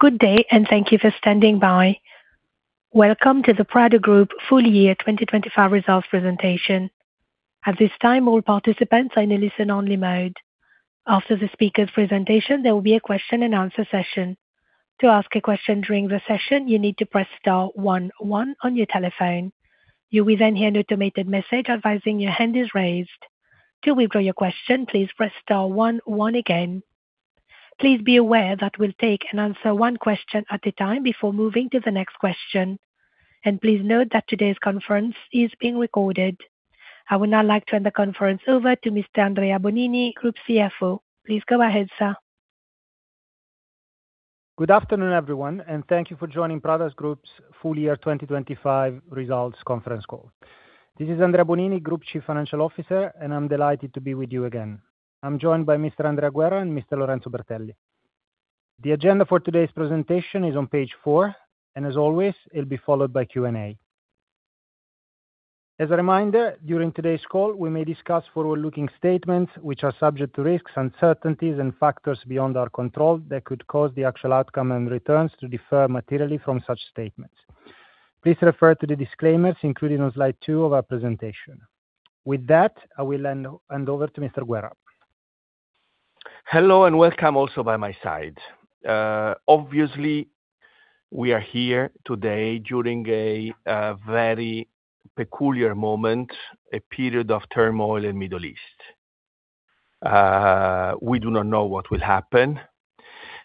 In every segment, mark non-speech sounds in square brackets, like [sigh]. Good day and thank you for standing by. Welcome to the Prada Group Full Year 2025 Results Presentation. At this time, all participants are in a listen-only mode. After the speaker's presentation, there will be a question and answer session. To ask a question during the session, you need to press star one one on your telephone. You will then hear an automated message advising your hand is raised. To withdraw your question, please press star one one again. Please be aware that we'll take and answer one question at a time before moving to the next question. Please note that today's conference is being recorded. I would now like to hand the conference over to Mr. Andrea Bonini, Group CFO. Please go ahead, sir. Good afternoon, everyone, and thank you for joining Prada Group's Full Year 2025 Results conference call. This is Andrea Bonini, Group Chief Financial Officer, and I'm delighted to be with you again. I'm joined by Mr. Andrea Guerra and Mr. Lorenzo Bertelli. The agenda for today's presentation is on page 4, and as always, it'll be followed by Q&A. As a reminder, during today's call, we may discuss forward-looking statements which are subject to risks, uncertainties, and factors beyond our control that could cause the actual outcome and returns to defer materially from such statements. Please refer to the disclaimers included on slide two of our presentation. With that, I will hand over to Mr. Guerra. Hello and welcome also by my side. Obviously, we are here today during a very peculiar moment, a period of turmoil in Middle East. We do not know what will happen,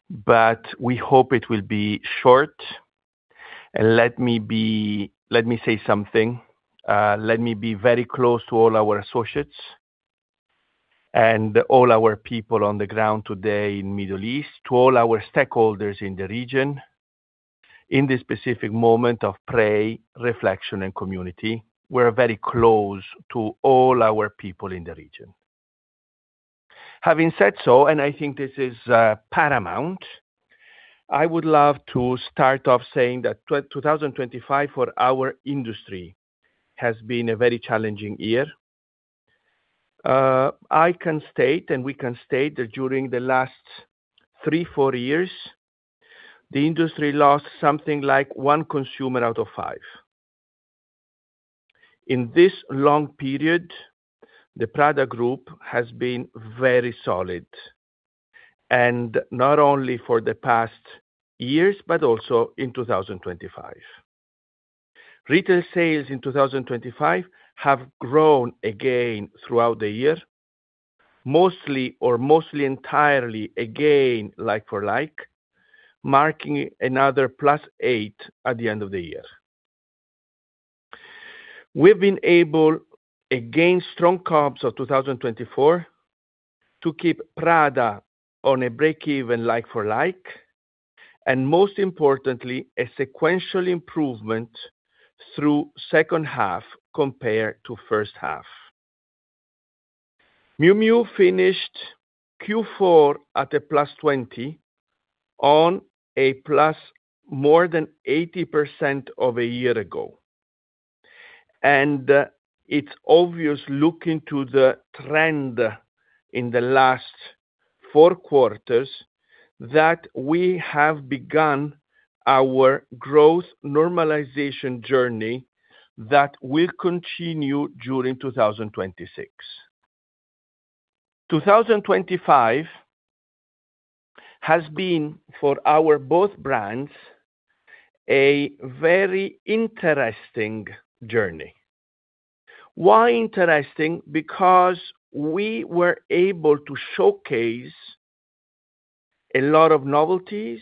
but we hope it will be short. Let me say something. Let me be very close to all our associates and all our people on the ground today in Middle East, to all our stakeholders in the region. In this specific moment of pray, reflection, and community, we're very close to all our people in the region. Having said so, I think this is paramount, I would love to start off saying that 2025 for our industry has been a very challenging year. I can state, and we can state that during the last three, four years, the industry lost something like one consumer out of five. In this long period, the Prada Group has been very solid, and not only for the past years, but also in 2025. Retail sales in 2025 have grown again throughout the year, mostly or mostly entirely, again, like-for-like, marking another +8% at the end of the year. We've been able, against strong comps of 2024, to keep Prada on a break-even like-for-like, and most importantly, a sequential improvement through second half compared to first half. Miu Miu finished Q4 at a +20% on a + more than 80% of a year ago. It's obvious, looking to the trend in the last four quarters, that we have begun our growth normalization journey that will continue during 2026. 2025 has been, for our both brands, a very interesting journey. Why interesting? Because we were able to showcase a lot of novelties,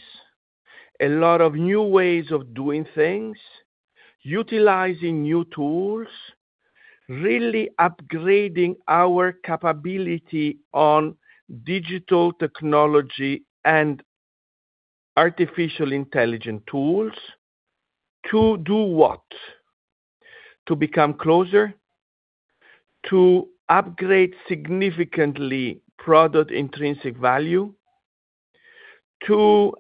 a lot of new ways of doing things, utilizing new tools, really upgrading our capability on digital technology and artificial intelligence tools. To do what? To become closer, to upgrade significantly product intrinsic value, to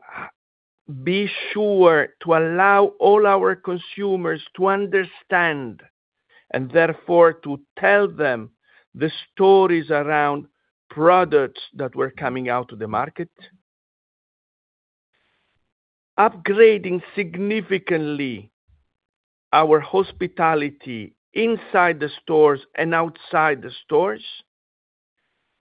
be sure to allow all our consumers to understand, and therefore, to tell them the stories around products that were coming out to the market. Upgrading significantly our hospitality inside the stores and outside the stores,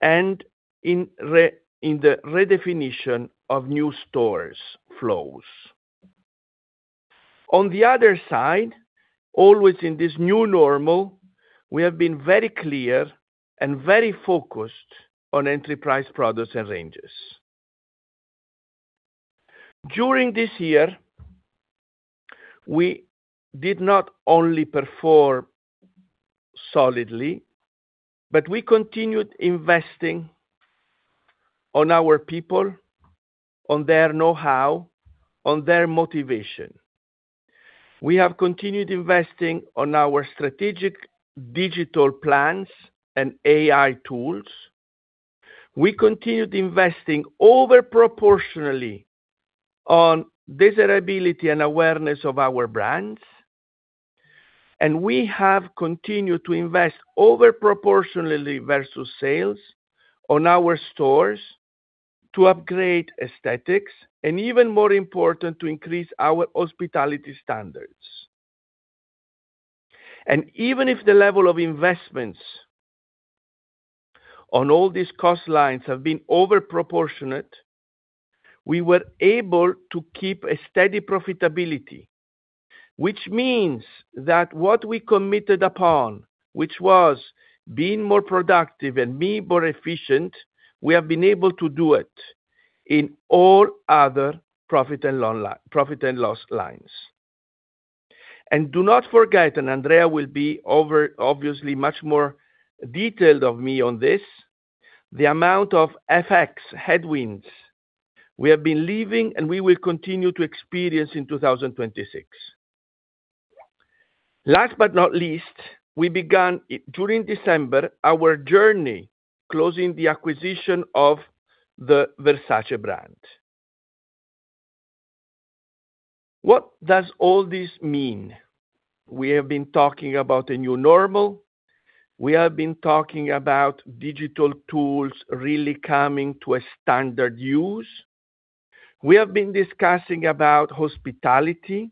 and in the redefinition of new stores flows. On the other side, always in this new normal, we have been very clear and very focused on enterprise products and ranges. During this year, we did not only perform solidly, but we continued investing on our people, on their know-how, on their motivation. We have continued investing on our strategic digital plans and AI tools. We continued investing over proportionally on desirability and awareness of our brands. We have continued to invest over proportionally versus sales on our stores to upgrade aesthetics, and even more important, to increase our hospitality standards. Even if the level of investments on all these cost lines have been over proportionate, we were able to keep a steady profitability, which means that what we committed upon, which was being more productive and being more efficient, we have been able to do it in all other profit and loss lines. Do not forget, Andrea will be obviously much more detailed of me on this, the amount of FX headwinds we have been leaving and we will continue to experience in 2026. Last but not least, we began, during December, our journey closing the acquisition of the Versace brand. What does all this mean? We have been talking about a new normal. We have been talking about digital tools really coming to a standard use. We have been discussing about hospitality.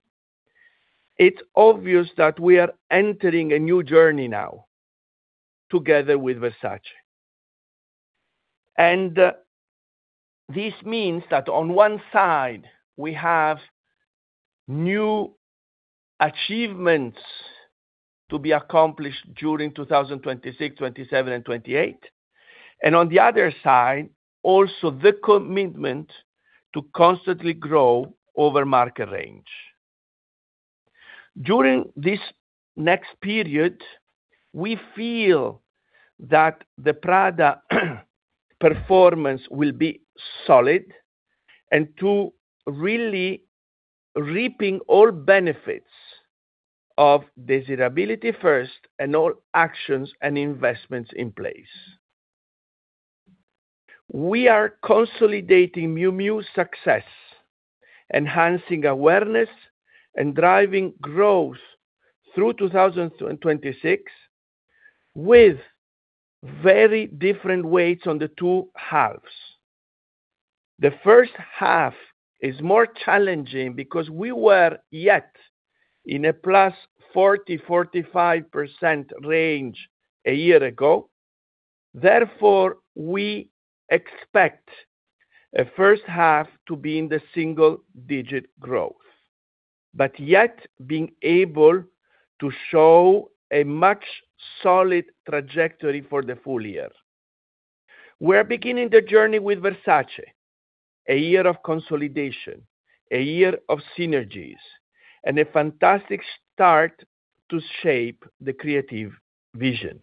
It's obvious that we are entering a new journey now together with Versace. This means that on one side, we have new achievements to be accomplished during 2026, 2027 and 2028, and on the other side, also the commitment to constantly grow over market range. During this next period, we feel that the Prada performance will be solid and to really reaping all benefits of desirability first and all actions and investments in place. We are consolidating Miu Miu success, enhancing awareness and driving growth through 2026 with very different weights on the two halves. The first half is more challenging because we were yet in a +40%-45% range a year ago. We expect a first half to be in the single-digit growth, but yet being able to show a much solid trajectory for the full year. We're beginning the journey with Versace, a year of consolidation, a year of synergies, and a fantastic start to shape the creative vision.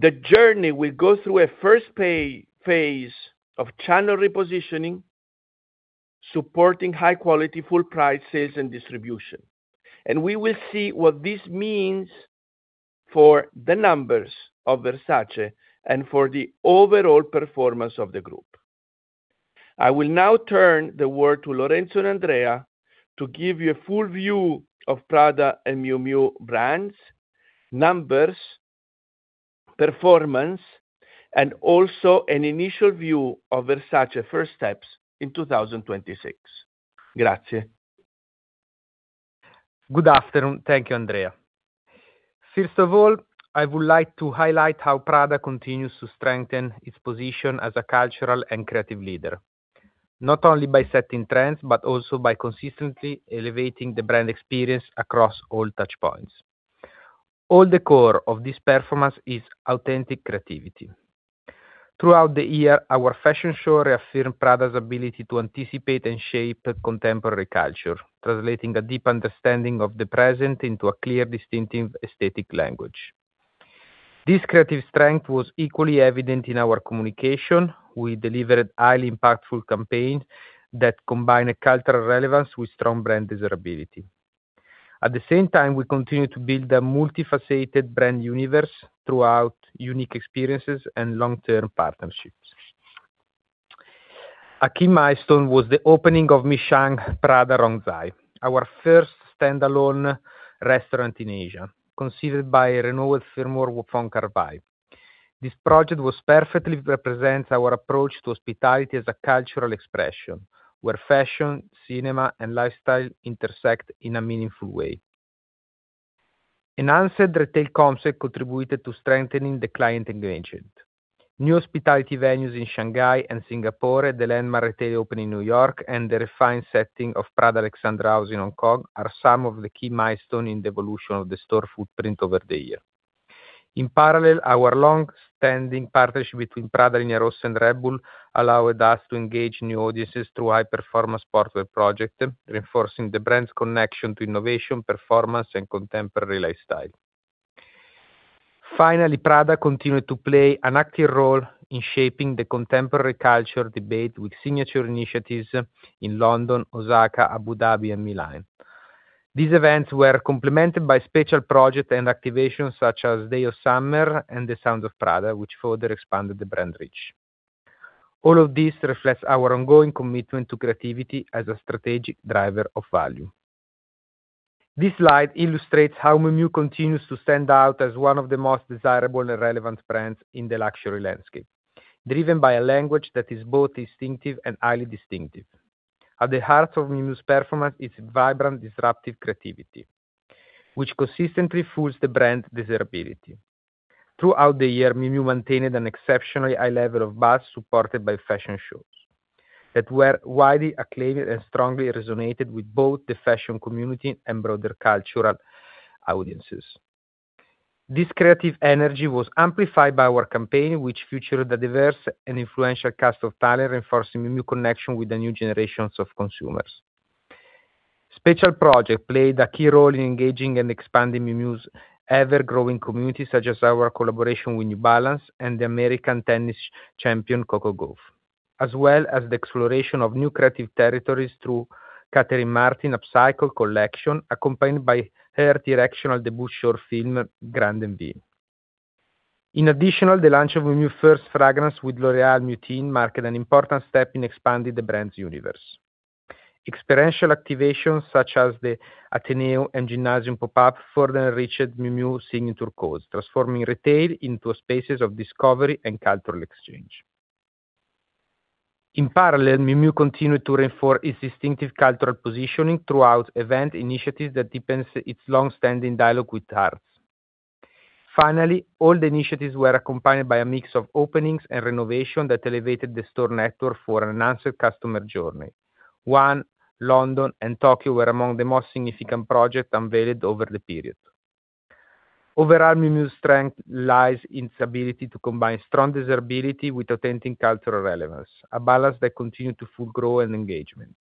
The journey will go through a first phase of channel repositioning, supporting high quality, full prices, and distribution. We will see what this means for the numbers of Versace and for the overall performance of the group. I will now turn the word to Lorenzo and Andrea to give you a full view of Prada and Miu Miu brands, numbers, performance, and also an initial view of Versace first steps in 2026. [Grazie]. Good afternoon. Thank you, Andrea. First of all, I would like to highlight how Prada continues to strengthen its position as a cultural and creative leader, not only by setting trends, but also by consistently elevating the brand experience across all touch points. All the core of this performance is authentic creativity. Throughout the year, our fashion show reaffirmed Prada's ability to anticipate and shape contemporary culture, translating a deep understanding of the present into a clear, distinctive aesthetic language. This creative strength was equally evident in our communication. We delivered highly impactful campaign that combine a cultural relevance with strong brand desirability. At the same time, we continue to build a multifaceted brand universe throughout unique experiences and long-term partnerships. A key milestone was the opening of Prada Rong Zhai, our first standalone restaurant in Asia, considered by a renowned firm of Wong Kar Wai. This project was perfectly represents our approach to hospitality as a cultural expression, where fashion, cinema, and lifestyle intersect in a meaningful way. Enhanced retail concept contributed to strengthening the client engagement. New hospitality venues in Shanghai and Singapore, the landmark retail opening in New York, and the refined setting of Prada Alexandra House in Hong Kong are some of the key milestone in the evolution of the store footprint over the year. In parallel, our long-standing partnership between Prada Linea Rossa and Red Bull allowed us to engage new audiences through high-performance software project, reinforcing the brand's connection to innovation, performance, and contemporary lifestyle. Finally, Prada continued to play an active role in shaping the contemporary culture debate with signature initiatives in London, Osaka, Abu Dhabi, and Milan. These events were complemented by special project and activation such as Days of Summer and The Sound of Prada, which further expanded the brand reach. All of this reflects our ongoing commitment to creativity as a strategic driver of value. This slide illustrates how Miu Miu continues to stand out as one of the most desirable and relevant brands in the luxury landscape, driven by a language that is both instinctive and highly distinctive. At the heart of Miu Miu's performance is its vibrant, disruptive creativity, which consistently fuels the brand desirability. Throughout the year, Miu Miu maintained an exceptionally high level of buzz supported by fashion shows that were widely acclaimed and strongly resonated with both the fashion community and broader cultural audiences. This creative energy was amplified by our campaign, which featured a diverse and influential cast of talent, reinforcing Miu Miu connection with the new generations of consumers. Special project played a key role in engaging and expanding Miu Miu's ever-growing community, such as our collaboration with New Balance and the American tennis champion Coco Gauff, as well as the exploration of new creative territories through Catherine Martin Upcycled collection, accompanied by her directional debut short film, Grande Envie. The launch of Miu Miu first fragrance with L'Oréal, Miutine, marked an important step in expanding the brand's universe. Experiential activations such as the Atheneum and Gymnasium pop-up further enriched Miu Miu signature codes, transforming retail into spaces of discovery and cultural exchange. In parallel, Miu Miu continued to reinforce its distinctive cultural positioning throughout event initiatives that depends its long-standing dialogue with arts. All the initiatives were accompanied by a mix of openings and renovation that elevated the store network for an enhanced customer journey. One, London and Tokyo were among the most significant projects unveiled over the period. Overall, Miu Miu strength lies in its ability to combine strong desirability with authentic cultural relevance, a balance that continued to fuel growth and engagement.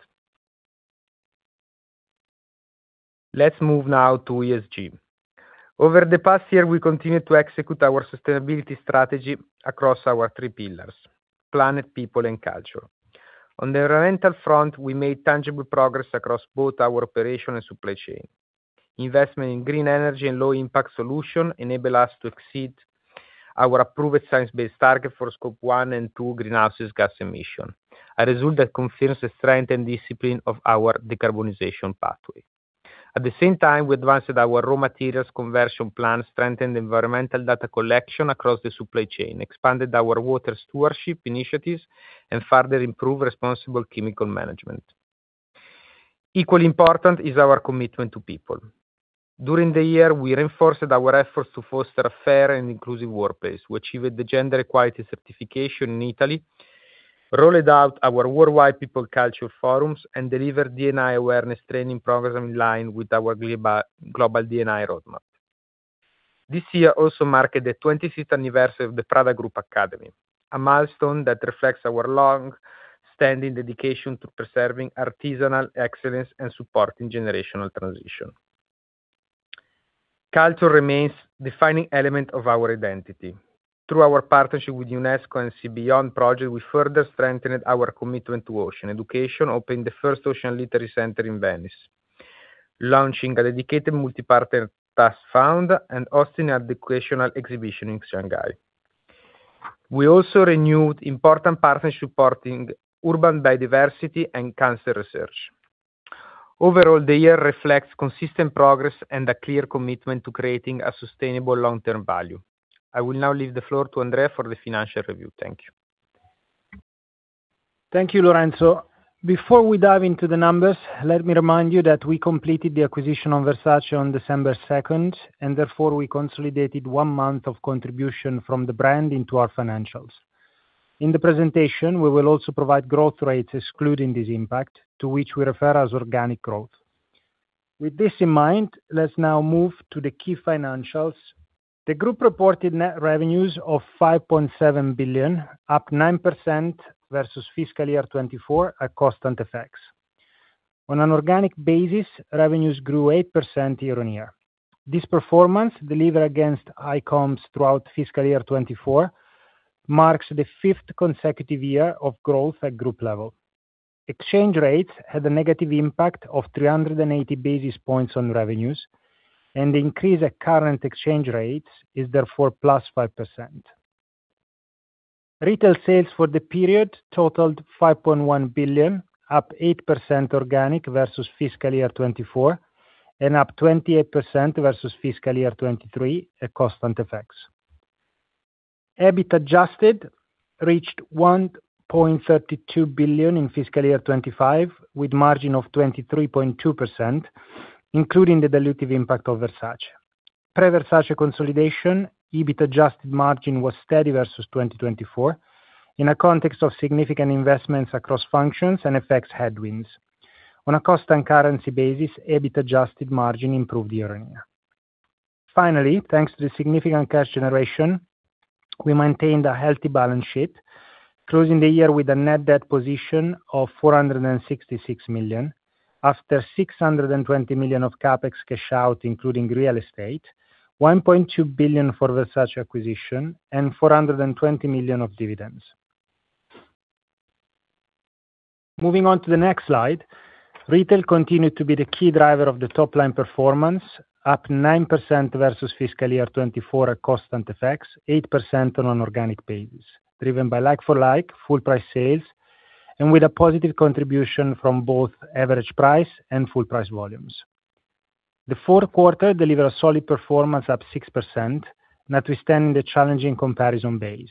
Let's move now to ESG. Over the past year, we continued to execute our sustainability strategy across our three pillars: planet, people, and culture. On the environmental front, we made tangible progress across both our operation and supply chain. Investment in green energy and low impact solutions enable us to exceed our approved Science-Based Target for scope one and two greenhouse gas emissions, a result that confirms the strength and discipline of our decarbonization pathway. At the same time, we advanced our raw materials conversion plan, strengthened environmental data collection across the supply chain, expanded our water stewardship initiatives, and further improved responsible chemical management. Equally important is our commitment to people. During the year, we reinforced our efforts to foster a fair and inclusive workplace. We achieved the gender equality certification in Italy, rolled out our worldwide people culture forums, and delivered D&I awareness training program in line with our global D&I roadmap. This year also marked the 25th anniversary of the Prada Group Academy, a milestone that reflects our long-standing dedication to preserving artisanal excellence and supporting generational transition. Culture remains defining element of our identity. Through our partnership with UNESCO and SEA BEYOND project, we further strengthened our commitment to ocean education, opened the first ocean literary center in Venice, launching a dedicated multi-partner task fund, and hosting an educational exhibition in Shanghai. We also renewed important partnership supporting urban biodiversity and cancer research. Overall, the year reflects consistent progress and a clear commitment to creating a sustainable long-term value. I will now leave the floor to Andrea for the financial review. Thank you. Thank you, Lorenzo. Before we dive into the numbers, let me remind you that we completed the acquisition of Versace on December 2, and therefore we consolidated one month of contribution from the brand into our financials. In the presentation, we will also provide growth rates excluding this impact, to which we refer as organic growth. With this in mind, let's now move to the key financials. The group reported net revenues of 5.7 billion, up 9% versus fiscal year 2024 at constant FX. On an organic basis, revenues grew 8% year-over-year. This performance delivered against ICOMs throughout fiscal year 2024 marks the fifth consecutive year of growth at group level. Exchange rates had a negative impact of 380 basis points on revenues, and the increase at current exchange rates is therefore +5%. Retail sales for the period totaled 5.1 billion, up 8% organic versus fiscal year 2024, and up 28% versus fiscal year 2023 at constant FX. EBIT adjusted reached 1.32 billion in fiscal year 2025, with margin of 23.2%, including the dilutive impact of Versace. Pre-Versace consolidation, EBIT adjusted margin was steady versus 2024 in a context of significant investments across functions and FX headwinds. On a cost and currency basis, EBIT adjusted margin improved year-on-year. Thanks to the significant cash generation, we maintained a healthy balance sheet, closing the year with a net debt position of 466 million after 620 million of CapEx cash out, including real estate, 1.2 billion for Versace acquisition, and 420 million of dividends. Moving on to the next slide, retail continued to be the key driver of the top line performance, up 9% versus fiscal year 2024 at constant effects, 8% on an organic basis, driven by like-for-like, full price sales, and with a positive contribution from both average price and full price volumes. The fourth quarter delivered a solid performance up 6%, notwithstanding the challenging comparison base.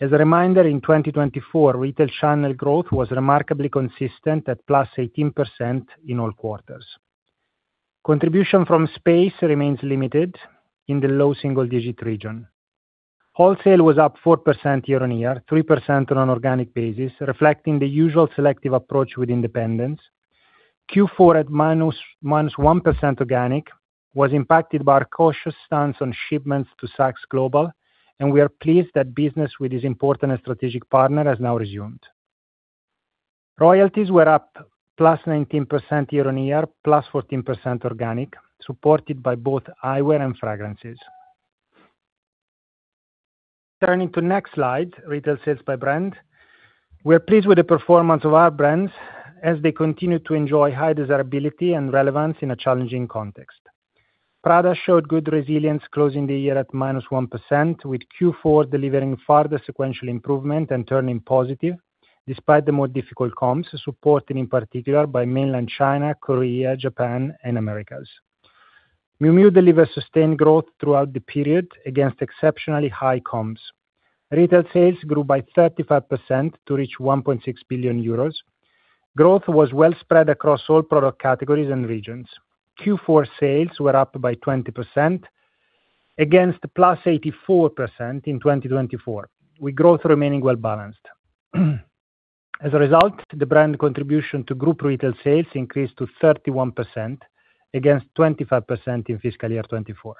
As a reminder, in 2024, retail channel growth was remarkably consistent at +18% in all quarters. Contribution from space remains limited in the low single-digit region. Wholesale was up 4% year-on-year, 3% on an organic basis, reflecting the usual selective approach with independence. Q4 at -1% organic was impacted by our cautious stance on shipments to Saks Global, and we are pleased that business with this important strategic partner has now resumed. Royalties were up +19% year-on-year, +14% organic, supported by both eyewear and fragrances. Turning to next slide, retail sales by brand. We are pleased with the performance of our brands as they continue to enjoy high desirability and relevance in a challenging context. Prada showed good resilience closing the year at -1%, with Q4 delivering further sequential improvement and turning positive despite the more difficult comps, supported in particular by Mainland China, Korea, Japan, and Americas. Miu Miu delivered sustained growth throughout the period against exceptionally high comms. Retail sales grew by 35% to reach 1.6 billion euros. Growth was well spread across all product categories and regions. Q4 sales were up by 20% against the +84% in 2024, with growth remaining well-balanced. As a result, the brand contribution to group retail sales increased to 31% against 25% in fiscal year 2024.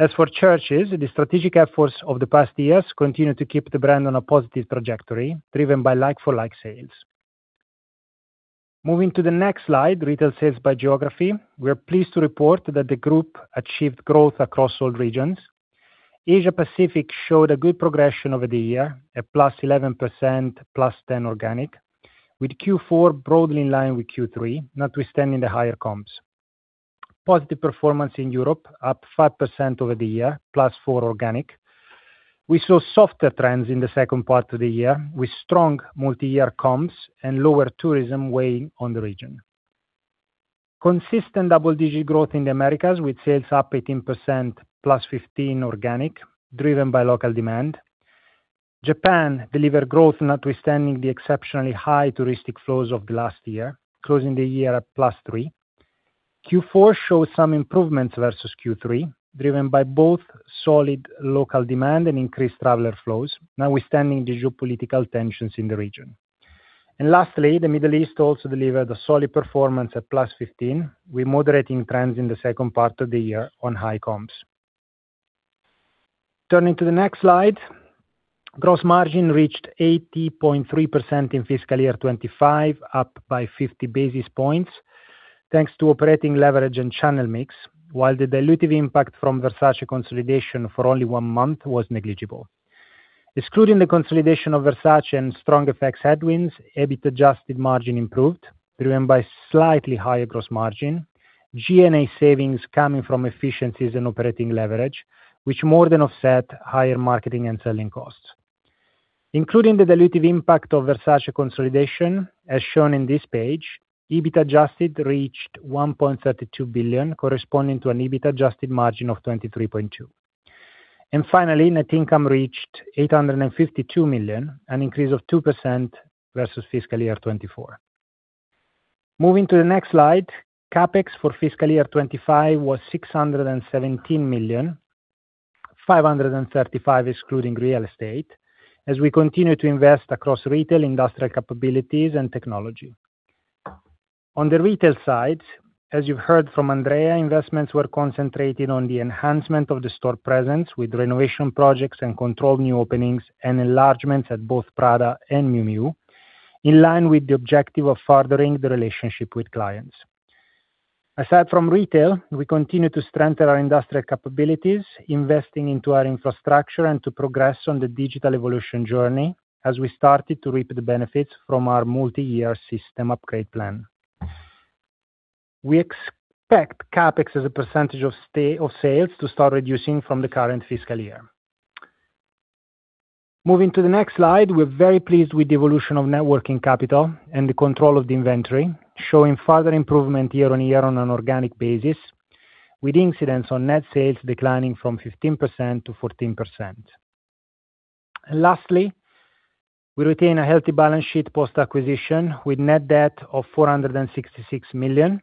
As for Church's, the strategic efforts of the past years continue to keep the brand on a positive trajectory, driven by like-for-like sales. Moving to the next slide, retail sales by geography. We are pleased to report that the group achieved growth across all regions. Asia Pacific showed a good progression over the year at +11%, +10% organic, with Q4 broadly in line with Q3, notwithstanding the higher comps. Positive performance in Europe up 5% over the year, +4% organic. We saw softer trends in the second part of the year, with strong multi-year comps and lower tourism weighing on the region. Consistent double-digit growth in the Americas, with sales up 18%, +15% organic, driven by local demand. Japan delivered growth notwithstanding the exceptionally high touristic flows of the last year, closing the year at +3%. Q4 shows some improvements versus Q3, driven by both solid local demand and increased traveler flows, notwithstanding the geopolitical tensions in the region. Lastly, the Middle East also delivered a solid performance at +15%, with moderating trends in the second part of the year on high comms. Turning to the next slide, gross margin reached 80.3% in fiscal year 2025, up by 50 basis points, thanks to operating leverage and channel mix, while the dilutive impact from Versace consolidation for only one month was negligible. Excluding the consolidation of Versace and strong FX headwinds, EBIT adjusted margin improved, driven by slightly higher gross margin, G&A savings coming from efficiencies and operating leverage, which more than offset higher marketing and selling costs. Including the dilutive impact of Versace consolidation, as shown in this page, EBIT adjusted reached 1.32 billion, corresponding to an EBIT adjusted margin of 23.2%. Finally, net income reached 852 million, an increase of 2% versus fiscal year 2024. Moving to the next slide, CapEx for fiscal year 2025 was 617 million, 535 million excluding real estate, as we continue to invest across retail, industrial capabilities and technology. On the retail side, as you've heard from Andrea, investments were concentrated on the enhancement of the store presence with renovation projects and controlled new openings and enlargements at both Prada and Miu Miu, in line with the objective of furthering the relationship with clients. Aside from retail, we continue to strengthen our industrial capabilities, investing into our infrastructure and to progress on the digital evolution journey as we started to reap the benefits from our multi-year system upgrade plan. We expect CapEx as a percentage of sales to start reducing from the current fiscal year. Moving to the next slide, we're very pleased with the evolution of net working capital and the control of the inventory, showing further improvement year-over-year on an organic basis, with incidence on net sales declining from 15% to 14%. Lastly, we retain a healthy balance sheet post-acquisition with net debt of 466 million.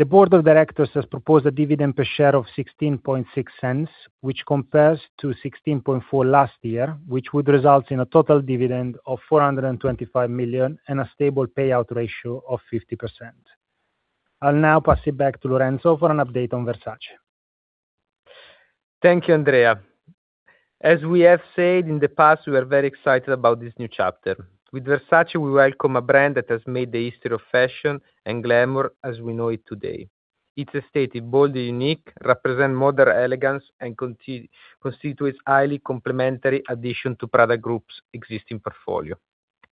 The board of directors has proposed a dividend per share of 0.166, which compares to 0.164 last year, which would result in a total dividend of 425 million and a stable payout ratio of 50%. I'll now pass it back to Lorenzo for an update on Versace. Thank you, Andrea. As we have said in the past, we are very excited about this new chapter. With Versace, we welcome a brand that has made the history of fashion and glamour as we know it today. Its aesthetic, bold and unique, represent modern elegance and constitutes highly complementary addition to Prada Group's existing portfolio.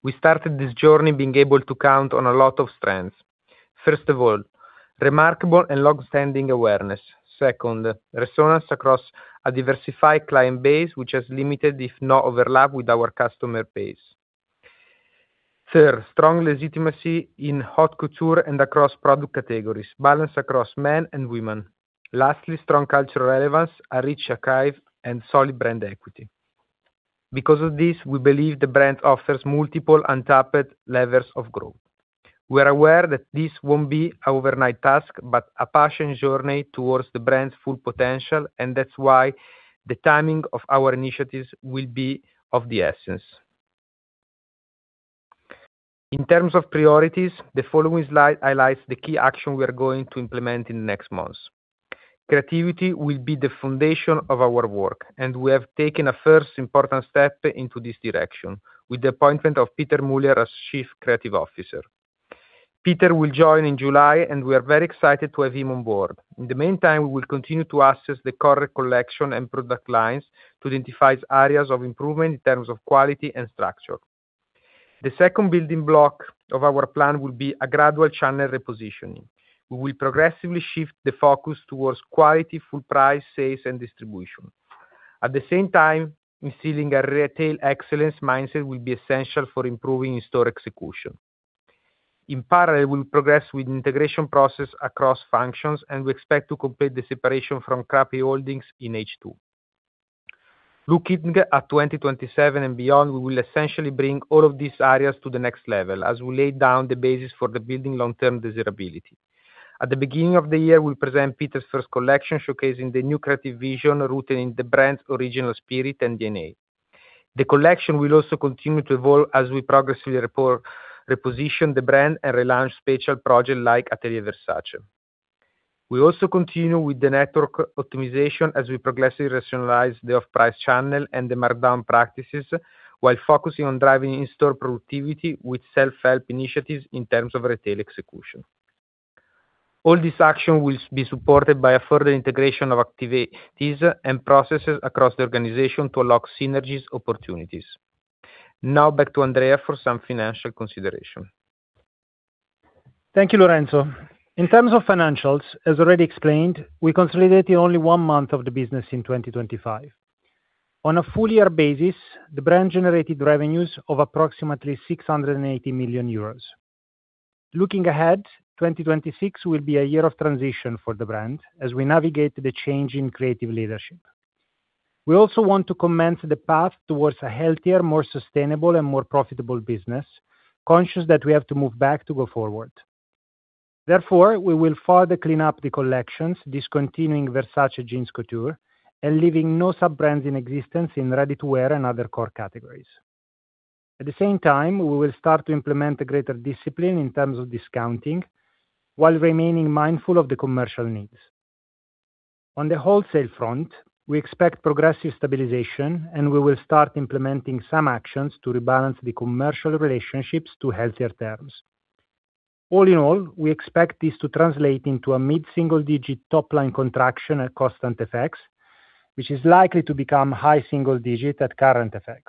We started this journey being able to count on a lot of strengths. First of all, remarkable and long-standing awareness. Second, resonance across a diversified client base, which has limited, if no overlap with our customer base. Third, strong legitimacy in haute couture and across product categories, balanced across men and women. Lastly, strong cultural relevance, a rich archive, and solid brand equity. Because of this, we believe the brand offers multiple untapped levers of growth. We are aware that this won't be an overnight task, but a passion journey towards the brand's full potential, and that's why the timing of our initiatives will be of the essence. In terms of priorities, the following slide highlights the key action we are going to implement in the next months. Creativity will be the foundation of our work. We have taken a first important step into this direction with the appointment of Pieter Mulier as Chief Creative Officer. Pieter will join in July. We are very excited to have him on board. In the meantime, we will continue to assess the current collection and product lines to identify areas of improvement in terms of quality and structure. The second building block of our plan will be a gradual channel repositioning. We will progressively shift the focus towards quality, full price, sales, and distribution. At the same time, instilling a retail excellence mindset will be essential for improving in-store execution. In parallel, we will progress with integration process across functions. We expect to complete the separation from Capri Holdings in H2. Looking at 2027 and beyond, we will essentially bring all of these areas to the next level as we lay down the basis for the building long-term desirability. At the beginning of the year, we'll present Pieter's first collection, showcasing the new creative vision rooted in the brand's original spirit and DNA. The collection will also continue to evolve as we progressively reposition the brand and relaunch special project like Atelier Versace. We also continue with the network optimization as we progressively rationalize the off-price channel and the markdown practices, while focusing on driving in-store productivity with self-help initiatives in terms of retail execution. All this action will be supported by a further integration of activities and processes across the organization to unlock synergies opportunities. Now back to Andrea for some financial consideration. Thank you, Lorenzo. In terms of financials, as already explained, we consolidated only one month of the business in 2025. On a full year basis, the brand generated revenues of approximately 680 million euros. Looking ahead, 2026 will be a year of transition for the brand as we navigate the change in creative leadership. We also want to commence the path towards a healthier, more sustainable, and more profitable business, conscious that we have to move back to go forward. Therefore, we will further clean up the collections, discontinuing Versace Jeans Couture and leaving no sub-brands in existence in ready-to-wear and other core categories. At the same time, we will start to implement a greater discipline in terms of discounting while remaining mindful of the commercial needs. On the wholesale front, we expect progressive stabilization, and we will start implementing some actions to rebalance the commercial relationships to healthier terms. All in all, we expect this to translate into a mid-single digit top-line contraction at constant FX, which is likely to become high-single digit at current FX.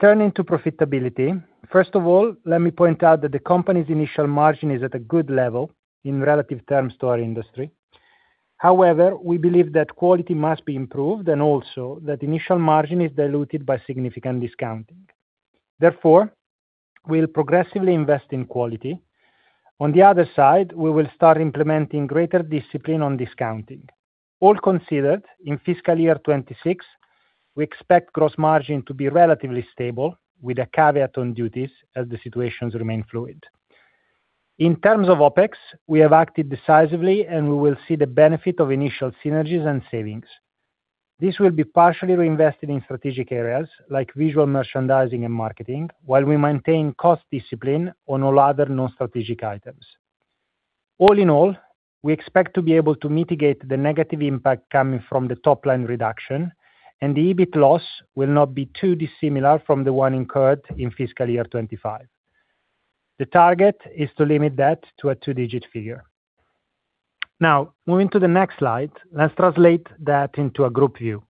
Turning to profitability, first of all, let me point out that the company's initial margin is at a good level in relative terms to our industry. However, we believe that quality must be improved and also that initial margin is diluted by significant discounting. Therefore, we'll progressively invest in quality. On the other side, we will start implementing greater discipline on discounting. All considered, in fiscal year 2026, we expect gross margin to be relatively stable with a caveat on duties as the situations remain fluid. In terms of OpEx, we have acted decisively, and we will see the benefit of initial synergies and savings. This will be partially reinvested in strategic areas like visual merchandising and marketing, while we maintain cost discipline on all other non-strategic items. All in all, we expect to be able to mitigate the negative impact coming from the top-line reduction, and the EBIT loss will not be too dissimilar from the one incurred in fiscal year 2025. The target is to limit that to a two-digit figure. Moving to the next slide, let's translate that into a group view.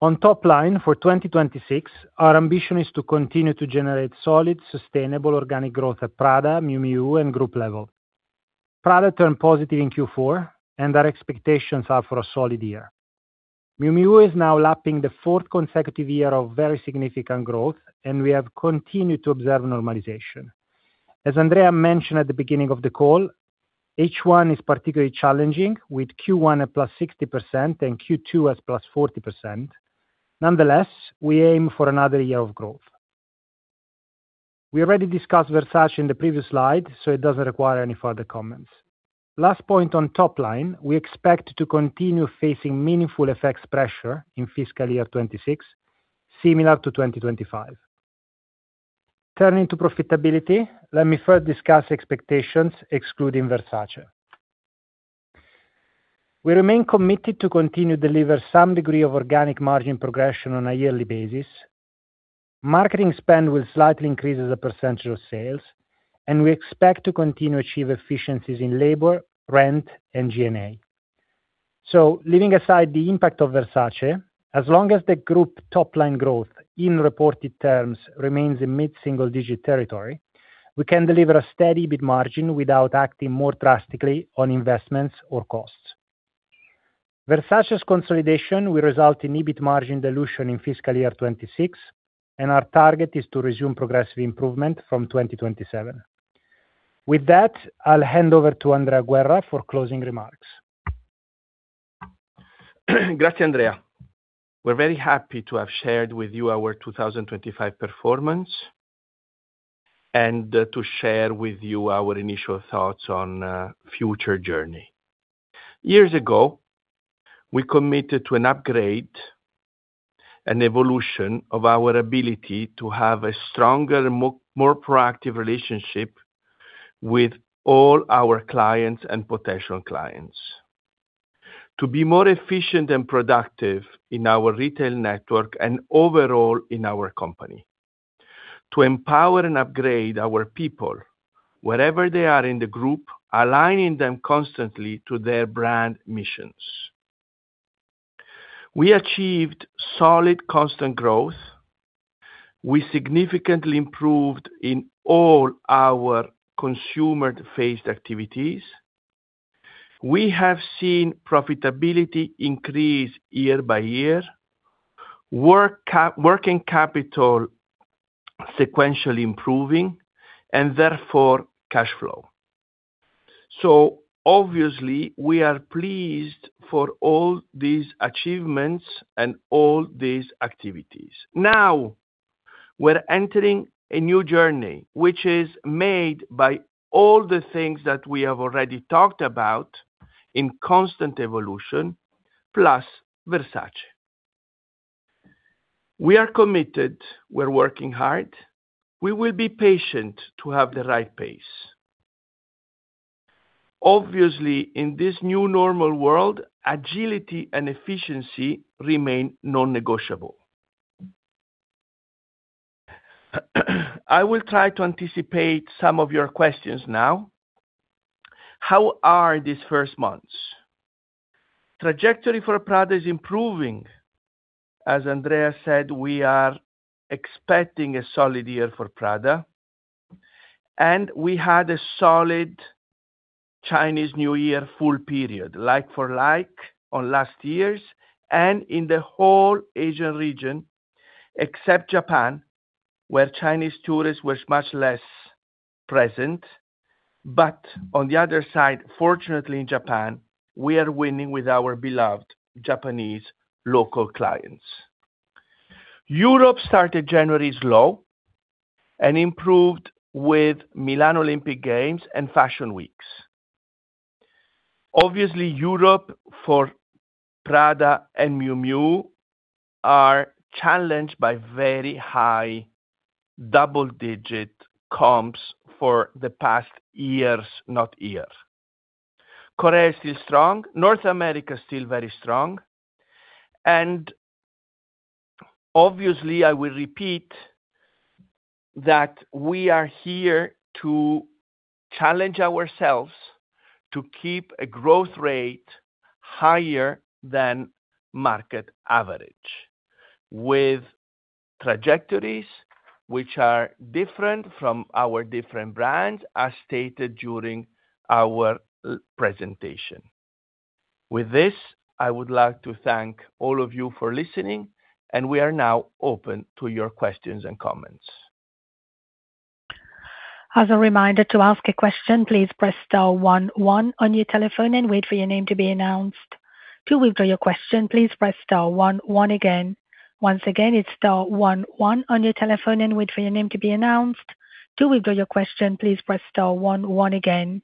On top line for 2026, our ambition is to continue to generate solid, sustainable organic growth at Prada, Miu Miu, and group level. Prada turned positive in Q4, and our expectations are for a solid year. Miu Miu is now lapping the fourth consecutive year of very significant growth, and we have continued to observe normalization. As Andrea mentioned at the beginning of the call, H1 is particularly challenging with Q1 at +60% and Q2 at +40%. Nonetheless, we aim for another year of growth. We already discussed Versace in the previous slide, so it doesn't require any further comments. Last point on top line, we expect to continue facing meaningful FX pressure in fiscal year 2026, similar to 2025. Turning to profitability, let me first discuss expectations excluding Versace. We remain committed to continue deliver some degree of organic margin progression on a yearly basis. Marketing spend will slightly increase as a percentage of sales, and we expect to continue achieve efficiencies in labor, rent, and G&A. Leaving aside the impact of Versace, as long as the group top line growth in reported terms remains in mid single digit territory, we can deliver a steady EBIT margin without acting more drastically on investments or costs. Versace's consolidation will result in EBIT margin dilution in fiscal year 2026, and our target is to resume progressive improvement from 2027. With that, I'll hand over to Andrea Guerra for closing remarks. Grazie, Andrea. We're very happy to have shared with you our 2025 performance and to share with you our initial thoughts on future journey. Years ago, we committed to an upgrade and evolution of our ability to have a stronger, more proactive relationship with all our clients and potential clients. To be more efficient and productive in our retail network and overall in our company. To empower and upgrade our people wherever they are in the group, aligning them constantly to their brand missions. We achieved solid constant growth. We significantly improved in all our consumer-faced activities. We have seen profitability increase year by year. Working capital sequentially improving and therefore cash flow. Obviously we are pleased for all these achievements and all these activities. Now, we're entering a new journey, which is made by all the things that we have already talked about in constant evolution, plus Versace. We are committed. We're working hard. We will be patient to have the right pace. Obviously, in this new normal world, agility and efficiency remain non-negotiable. I will try to anticipate some of your questions now. How are these first months? Trajectory for Prada is improving. As Andrea said, we are expecting a solid year for Prada, and we had a solid Chinese New Year full period, like for like on last year's, and in the whole Asian region, except Japan, where Chinese tourists was much less present. On the other side, fortunately in Japan, we are winning with our beloved Japanese local clients. Europe started January slow and improved with Milano Cortina 2026 and Fashion Weeks. Obviously, Europe for Prada and Miu Miu are challenged by very high double-digit comps for the past years, not year. Korea is still strong, North America is still very strong. Obviously, I will repeat that we are here to challenge ourselves to keep a growth rate higher than market average with trajectories which are different from our different brands, as stated during our presentation. With this, I would like to thank all of you for listening, and we are now open to your questions and comments. As a reminder, to ask a question, please press star one one on your telephone and wait for your name to be announced. To withdraw your question, please press star one one again. Once again, it's star one one on your telephone and wait for your name to be announced. To withdraw your question, please press star one one again.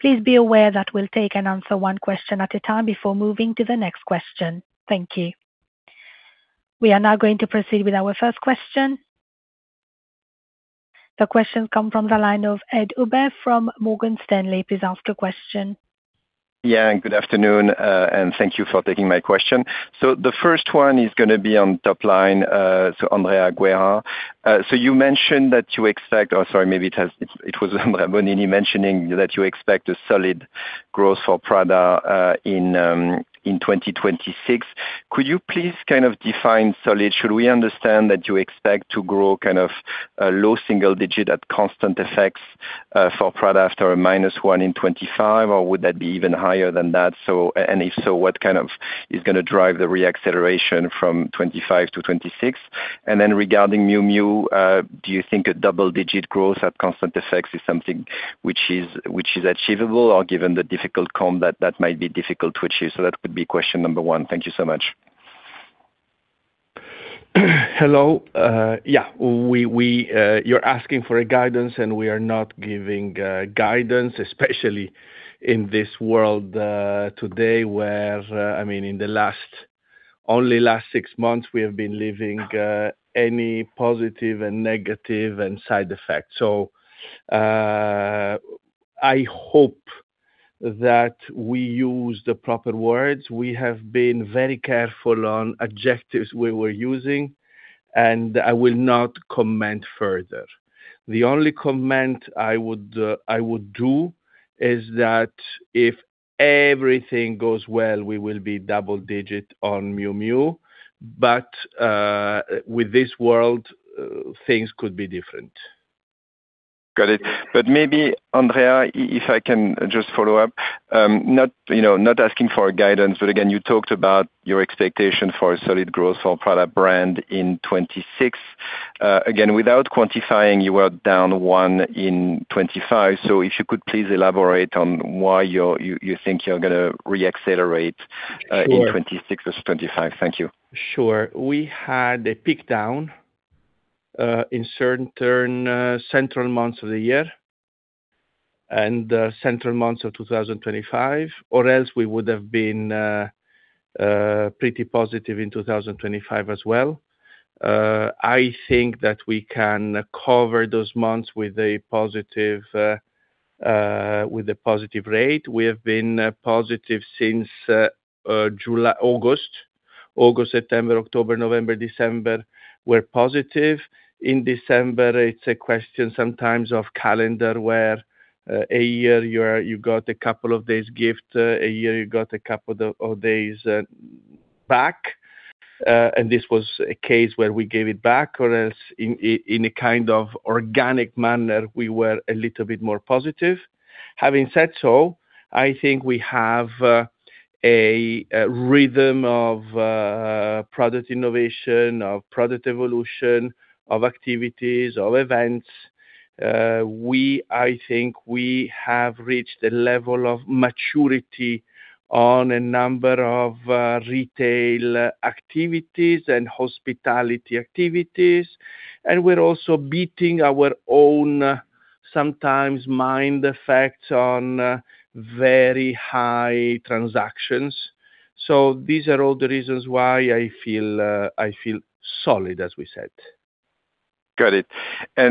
Please be aware that we'll take and answer one question at a time before moving to the next question. Thank you. We are now going to proceed with our first question. The question come from the line of Edouard Aubin from Morgan Stanley. Please ask the question. Good afternoon, and thank you for taking my question. The first one is gonna be on top line, Andrea Guerra. You mentioned that you expect. Or sorry, maybe it was Andrea Bonini mentioning that you expect a solid growth for Prada in 2026. Could you please kind of define solid? Should we understand that you expect to grow kind of a low single-digit at constant FX for Prada after a -1% in 2025, or would that be even higher than that? If so, what kind of is gonna drive the re-acceleration from 2025 to 2026? Regarding Miu Miu, do you think a double-digit growth at constant FX is something which is achievable or given the difficult comp that might be difficult to achieve? That would be question number one. Thank you so much. Hello. We are asking for a guidance, and we are not giving guidance, especially in this world today where, I mean, in the last six months we have been leaving any positive and negative and side effects. I hope that we use the proper words. We have been very careful on adjectives we were using. I will not comment further. The only comment I would do is that if everything goes well, we will be double-digit on Miu Miu. With this world, things could be different. Got it. Maybe, Andrea, if I can just follow up, not, you know, not asking for a guidance, again, you talked about your expectation for a solid growth for Prada brand in 2026. Again, without quantifying, you were down 1% in 2025, so if you could please elaborate on why you think you're gonna re-accelerate in 2026 as 2025. Thank you. Sure. We had a peak down in certain central months of the year and central months of 2025, or else we would have been pretty positive in 2025 as well. I think that we can cover those months with a positive with a positive rate. We have been positive since July, August. August, September, October, November, December, were positive. In December, it's a question sometimes of calendar where a year you're, you got a couple of days gift, a year you got a couple of days back. This was a case where we gave it back, or else in a kind of organic manner, we were a little bit more positive. Having said so, I think we have a rhythm of product innovation, of product evolution, of activities, of events. I think we have reached a level of maturity on a number of retail activities and hospitality activities, and we're also beating our own sometimes mind effects on very high transactions. These are all the reasons why I feel solid, as we said. Got it.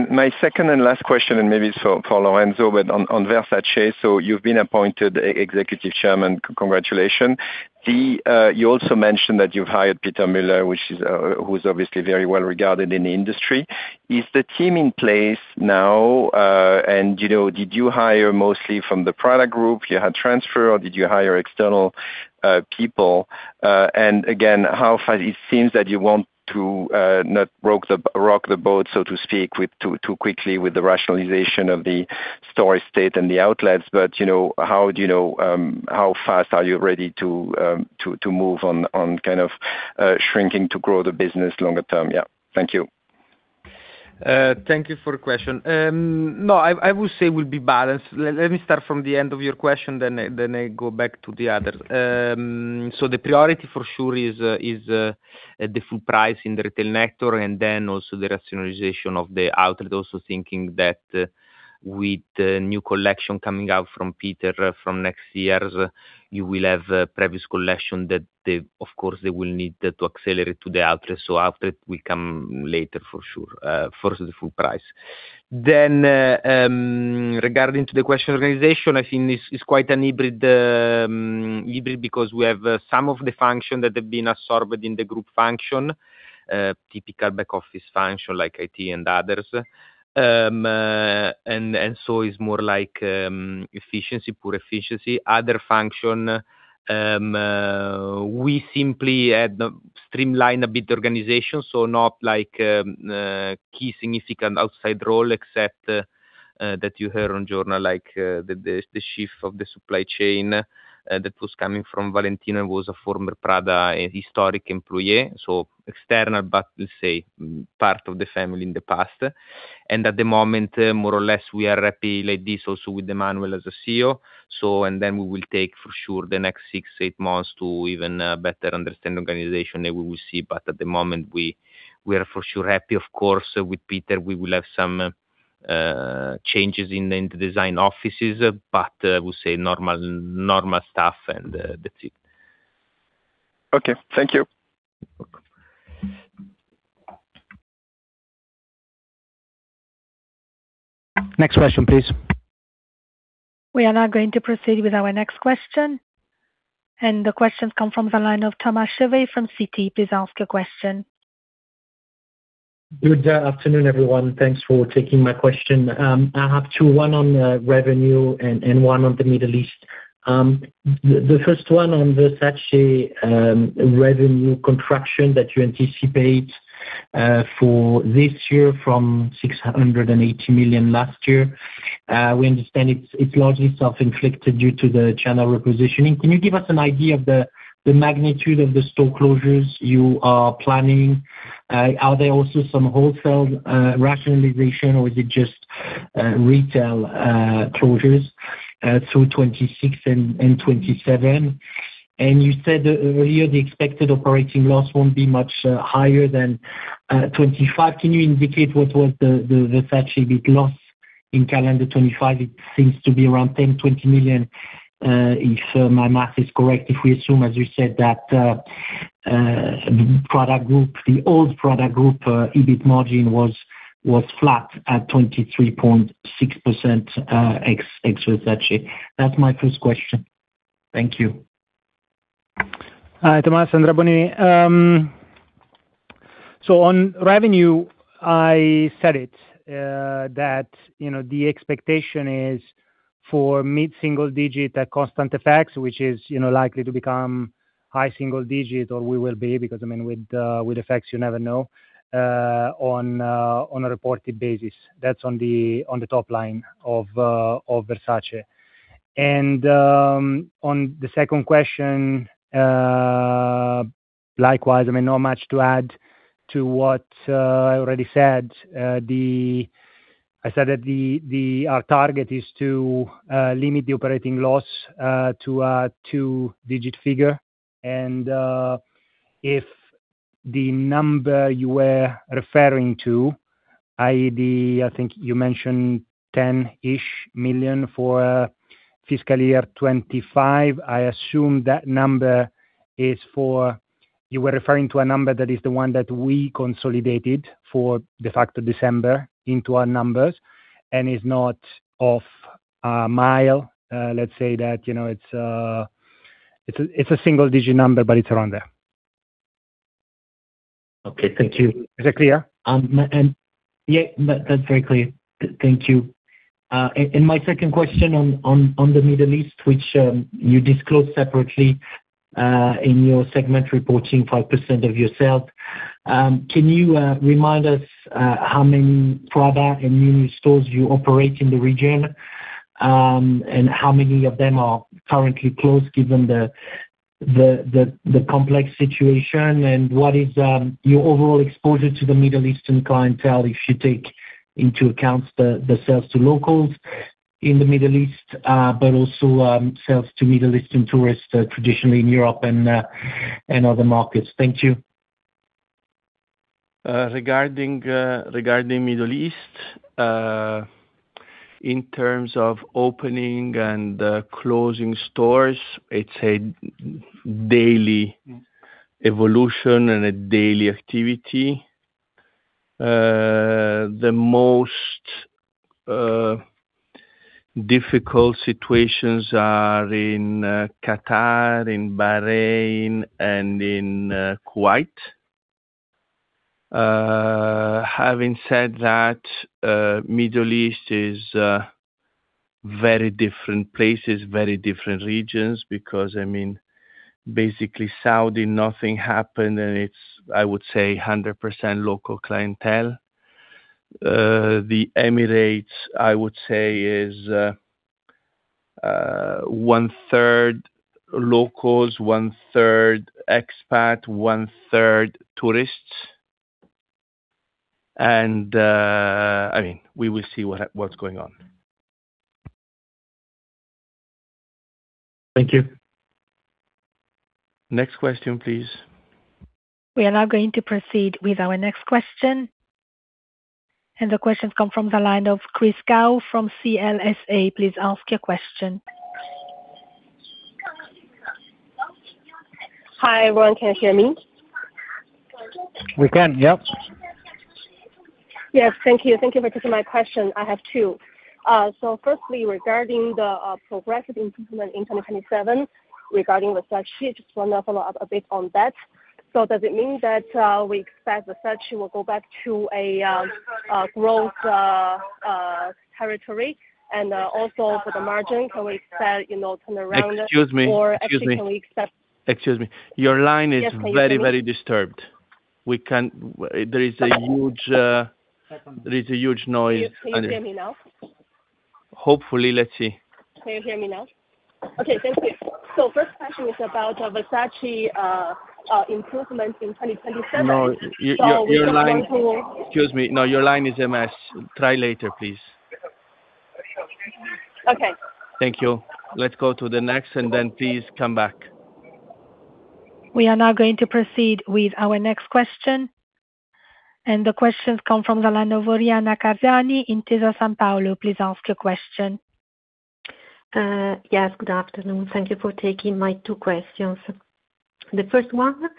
My second and last question, and maybe for Lorenzo, but on Versace. You've been appointed executive chairman. Congratulation. You also mentioned that you've hired Pieter Mulier, which is who's obviously very well-regarded in the industry. Is the team in place now? And, you know, did you hire mostly from the Prada Group, you had transfer or did you hire external people? And again, how far... It seems that you want to not rock the boat, so to speak, with too quickly with the rationalization of the store estate and the outlets. But, you know, how do you know, how fast are you ready to move on kind of shrinking to grow the business longer term? Yeah. Thank you. Thank you for the question. No, I would say we'll be balanced. Let me start from the end of your question, then I go back to the other. The priority for sure is the full price in the retail sector and then also the rationalization of the outlet. Also thinking that with the new collection coming out from Pieter, from next year, you will have a previous collection that they, of course, they will need to accelerate to the outlet will come later for sure. First the full price. Regarding to the question organization, I think this is quite hybrid because we have some of the function that have been absorbed in the group function, typical back office function like IT and others. So it's more like efficiency, poor efficiency. Other function, we simply had streamlined a bit organization, so not like key significant outside role except that you heard on journal like the chief of the supply chain that was coming from Valentino was a former Prada historic employee. External, but let's say part of the family in the past. At the moment, more or less, we are happy like this also with Emmanuel as a CEO. Then we will take for sure the next six-eight months to even better understand the organization that we will see. At the moment, we are for sure happy. Of course, with Pieter, we will have some changes in the design offices, but I would say normal stuff, and that's it. Okay. Thank you. Welcome. Next question, please. We are now going to proceed with our next question. The question comes from the line of Thomas Chauvet from Citi. Please ask your question. Good afternoon, everyone. Thanks for taking my question. I have two, one on revenue and one on the Middle East. The first one on Versace, revenue contraction that you anticipate for this year from 680 million last year. We understand it's largely self-inflicted due to the channel repositioning. Can you give us an idea of the magnitude of the store closures you are planning? Are there also some wholesale rationalization or is it just retail closures through 2026 and 2027? You said earlier the expected operating loss won't be much higher than 2025. Can you indicate what was the Versace big loss? In calendar 2025, it seems to be around 10 million-20 million, if my math is correct. If we assume, as you said, that, Prada Group, the old Prada Group, EBIT margin was flat at 23.6%, ex Versace. That's my first question. Thank you. Hi, Thomas. Andrea Bonini. On revenue, I said it, that, you know, the expectation is for mid-single digit at constant FX, which is, you know, likely to become high-single digit or we will be, because I mean, with FX you never know, on a reported basis. That's on the top line of Versace. On the second question, likewise, I mean, not much to add to what I already said. I said that our target is to limit the operating loss to a two-digit figure. If the number you were referring to, i.e., the, I think you mentioned 10-ish million for fiscal year 2025, I assume that number is for... You were referring to a number that is the one that we consolidated for the fact of December into our numbers. Is not off mile, let's say that, you know, it's a single digit number, but it's around there. Okay. Thank you. Is that clear? Yeah, that's very clear. Thank you. My second question on the Middle East, which you disclosed separately in your segment reporting 5% of your sales. Can you remind us how many products and new stores you operate in the region, and how many of them are currently closed given the complex situation and what is your overall exposure to the Middle Eastern clientele if you take into account sales to locals in the Middle East, but also sales to Middle Eastern tourists traditionally in Europe and other markets? Thank you. Regarding Middle East, in terms of opening and closing stores, it's a daily evolution and a daily activity. The most difficult situations are in Qatar, in Bahrain and in Kuwait. Having said that, Middle East is very different places, very different regions because, I mean, basically Saudi nothing happened and it's, I would say 100% local clientele. The Emirates, I would say, is one-third locals, one-third expat, one-third tourists. I mean, we will see what's going on. Thank you. Next question, please. We are now going to proceed with our next question. The question comes from the line of Chris Gao from CLSA. Please ask your question. Hi, everyone. Can you hear me? We can, yep. Yes, thank you. Thank you for taking my question. I have two. Firstly regarding the progressive improvement in 2027 regarding Versace, just wanna follow up a bit on that. Does it mean that we expect Versace will go back to a growth territory also for the margin, can we expect, you know, turn around? Excuse me. Actually can we expect-? Excuse me. Your line is-. Yes. Can you hear me? Very disturbed. We can't. There is a huge noise. Can you hear me now? Hopefully. Let's see. Can you hear me now? Okay. Thank you. First question is about Versace, improvement in 2027. No. Your. So we are going to- Excuse me. No, your line is a mess. Try later, please. Okay. Thank you. Let's go to the next and then please come back. We are now going to proceed with our next question. The question comes from the line of Oriana Cardani, Intesa Sanpaolo. Please ask your question. Yes, good afternoon. Thank you for taking my two questions. The first one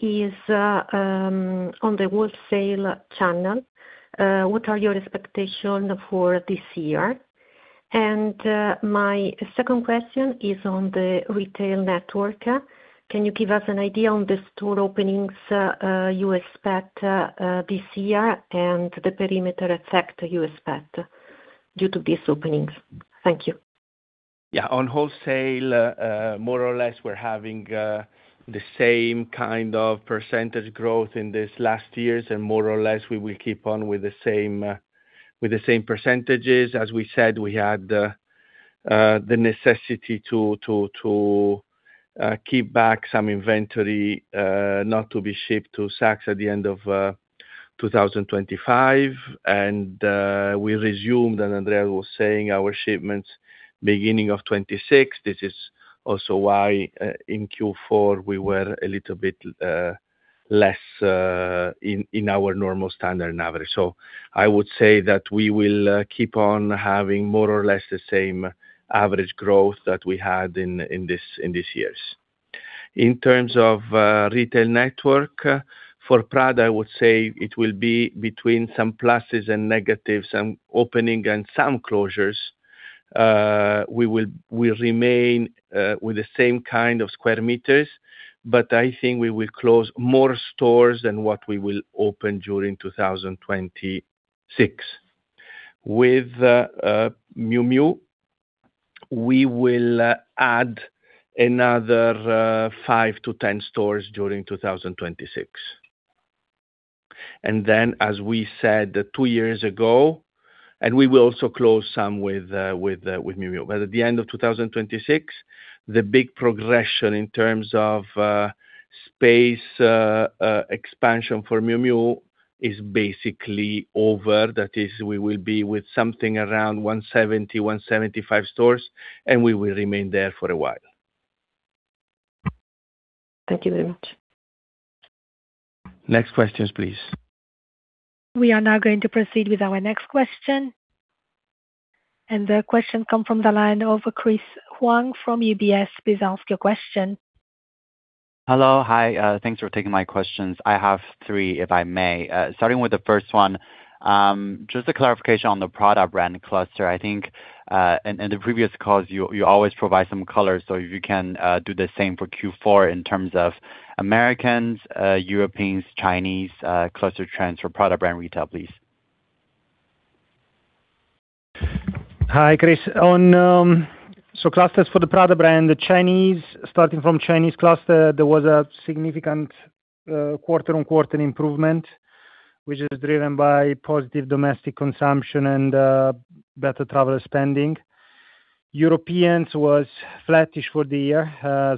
is on the wholesale channel. What are your expectation for this year? My second question is on the retail network. Can you give us an idea on the store openings you expect this year and the perimeter effect you expect due to these openings? Thank you. Yeah. On wholesale, more or less, we're having the same kind of percentage growth in this last years, and more or less we will keep on with the same with the same percentages. As we said, we had the necessity to keep back some inventory, not to be shipped to Saks at the end of 2025. We resumed, and Andrea was saying our shipments beginning of 2026. This is also why, in Q4 we were a little bit. Less in our normal standard average. I would say that we will keep on having more or less the same average growth that we had in these years. In terms of retail network, for Prada, I would say it will be between some pluses and negatives, some opening and some closures. We'll remain with the same kind of square meters, but I think we will close more stores than what we will open during 2026. With Miu Miu, we will add another five-10 stores during 2026. As we said two years ago, and we will also close some with Miu Miu. At the end of 2026, the big progression in terms of space expansion for Miu Miu is basically over. That is, we will be with something around 170, 175 stores, and we will remain there for a while. Thank you very much. Next questions, please. We are now going to proceed with our next question. The question come from the line of Chris Huang from UBS. Please ask your question. Hello. Hi. Thanks for taking my questions. I have 3, if I may. Starting with the first one. Just a clarification on the Prada brand cluster. I think in the previous calls you always provide some color, so if you can do the same for Q4 in terms of Americans, Europeans, Chinese, cluster trends for Prada brand retail, please. Hi, Chris. Clusters for the Prada brand, starting from Chinese cluster, there was a significant quarter-on-quarter improvement, which is driven by positive domestic consumption and better travel spending. Europeans was flattish for the year,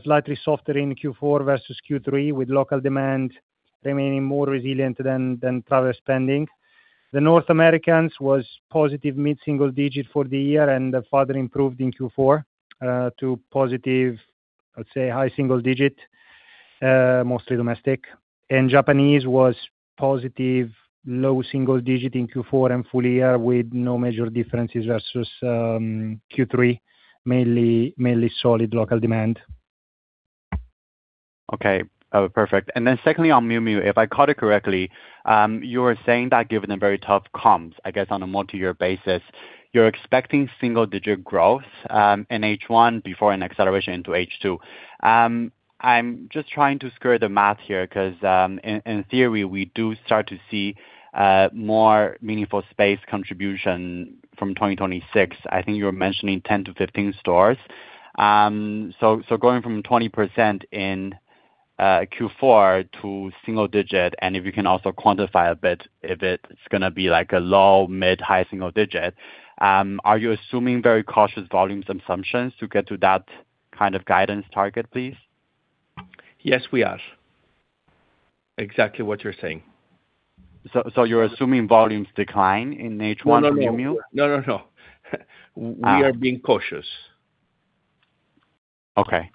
slightly softer in Q4 versus Q3, with local demand remaining more resilient than travel spending. North Americans was positive mid-single digit for the year and further improved in Q4, to positive, let's say, high-single digit, mostly domestic. Japanese was positive low single digit in Q4 and full year with no major differences versus Q3, mainly solid local demand. Okay. Perfect. Secondly, on Miu Miu, if I caught it correctly, you were saying that given the very tough comps, I guess on a multi-year basis, you're expecting single-digit growth in H1 before an acceleration into H2. I'm just trying to square the math here 'cause in theory, we do start to see more meaningful space contribution from 2026. I think you were mentioning 10-15 stores. So going from 20% in Q4 to single-digit, and if you can also quantify a bit if it's gonna be like a low, mid, high single-digit, are you assuming very cautious volumes assumptions to get to that kind of guidance target, please? Yes, we are. Exactly what you're saying. You're assuming volumes decline in H1 for Miu Miu? No, no. We are being cautious. Okay.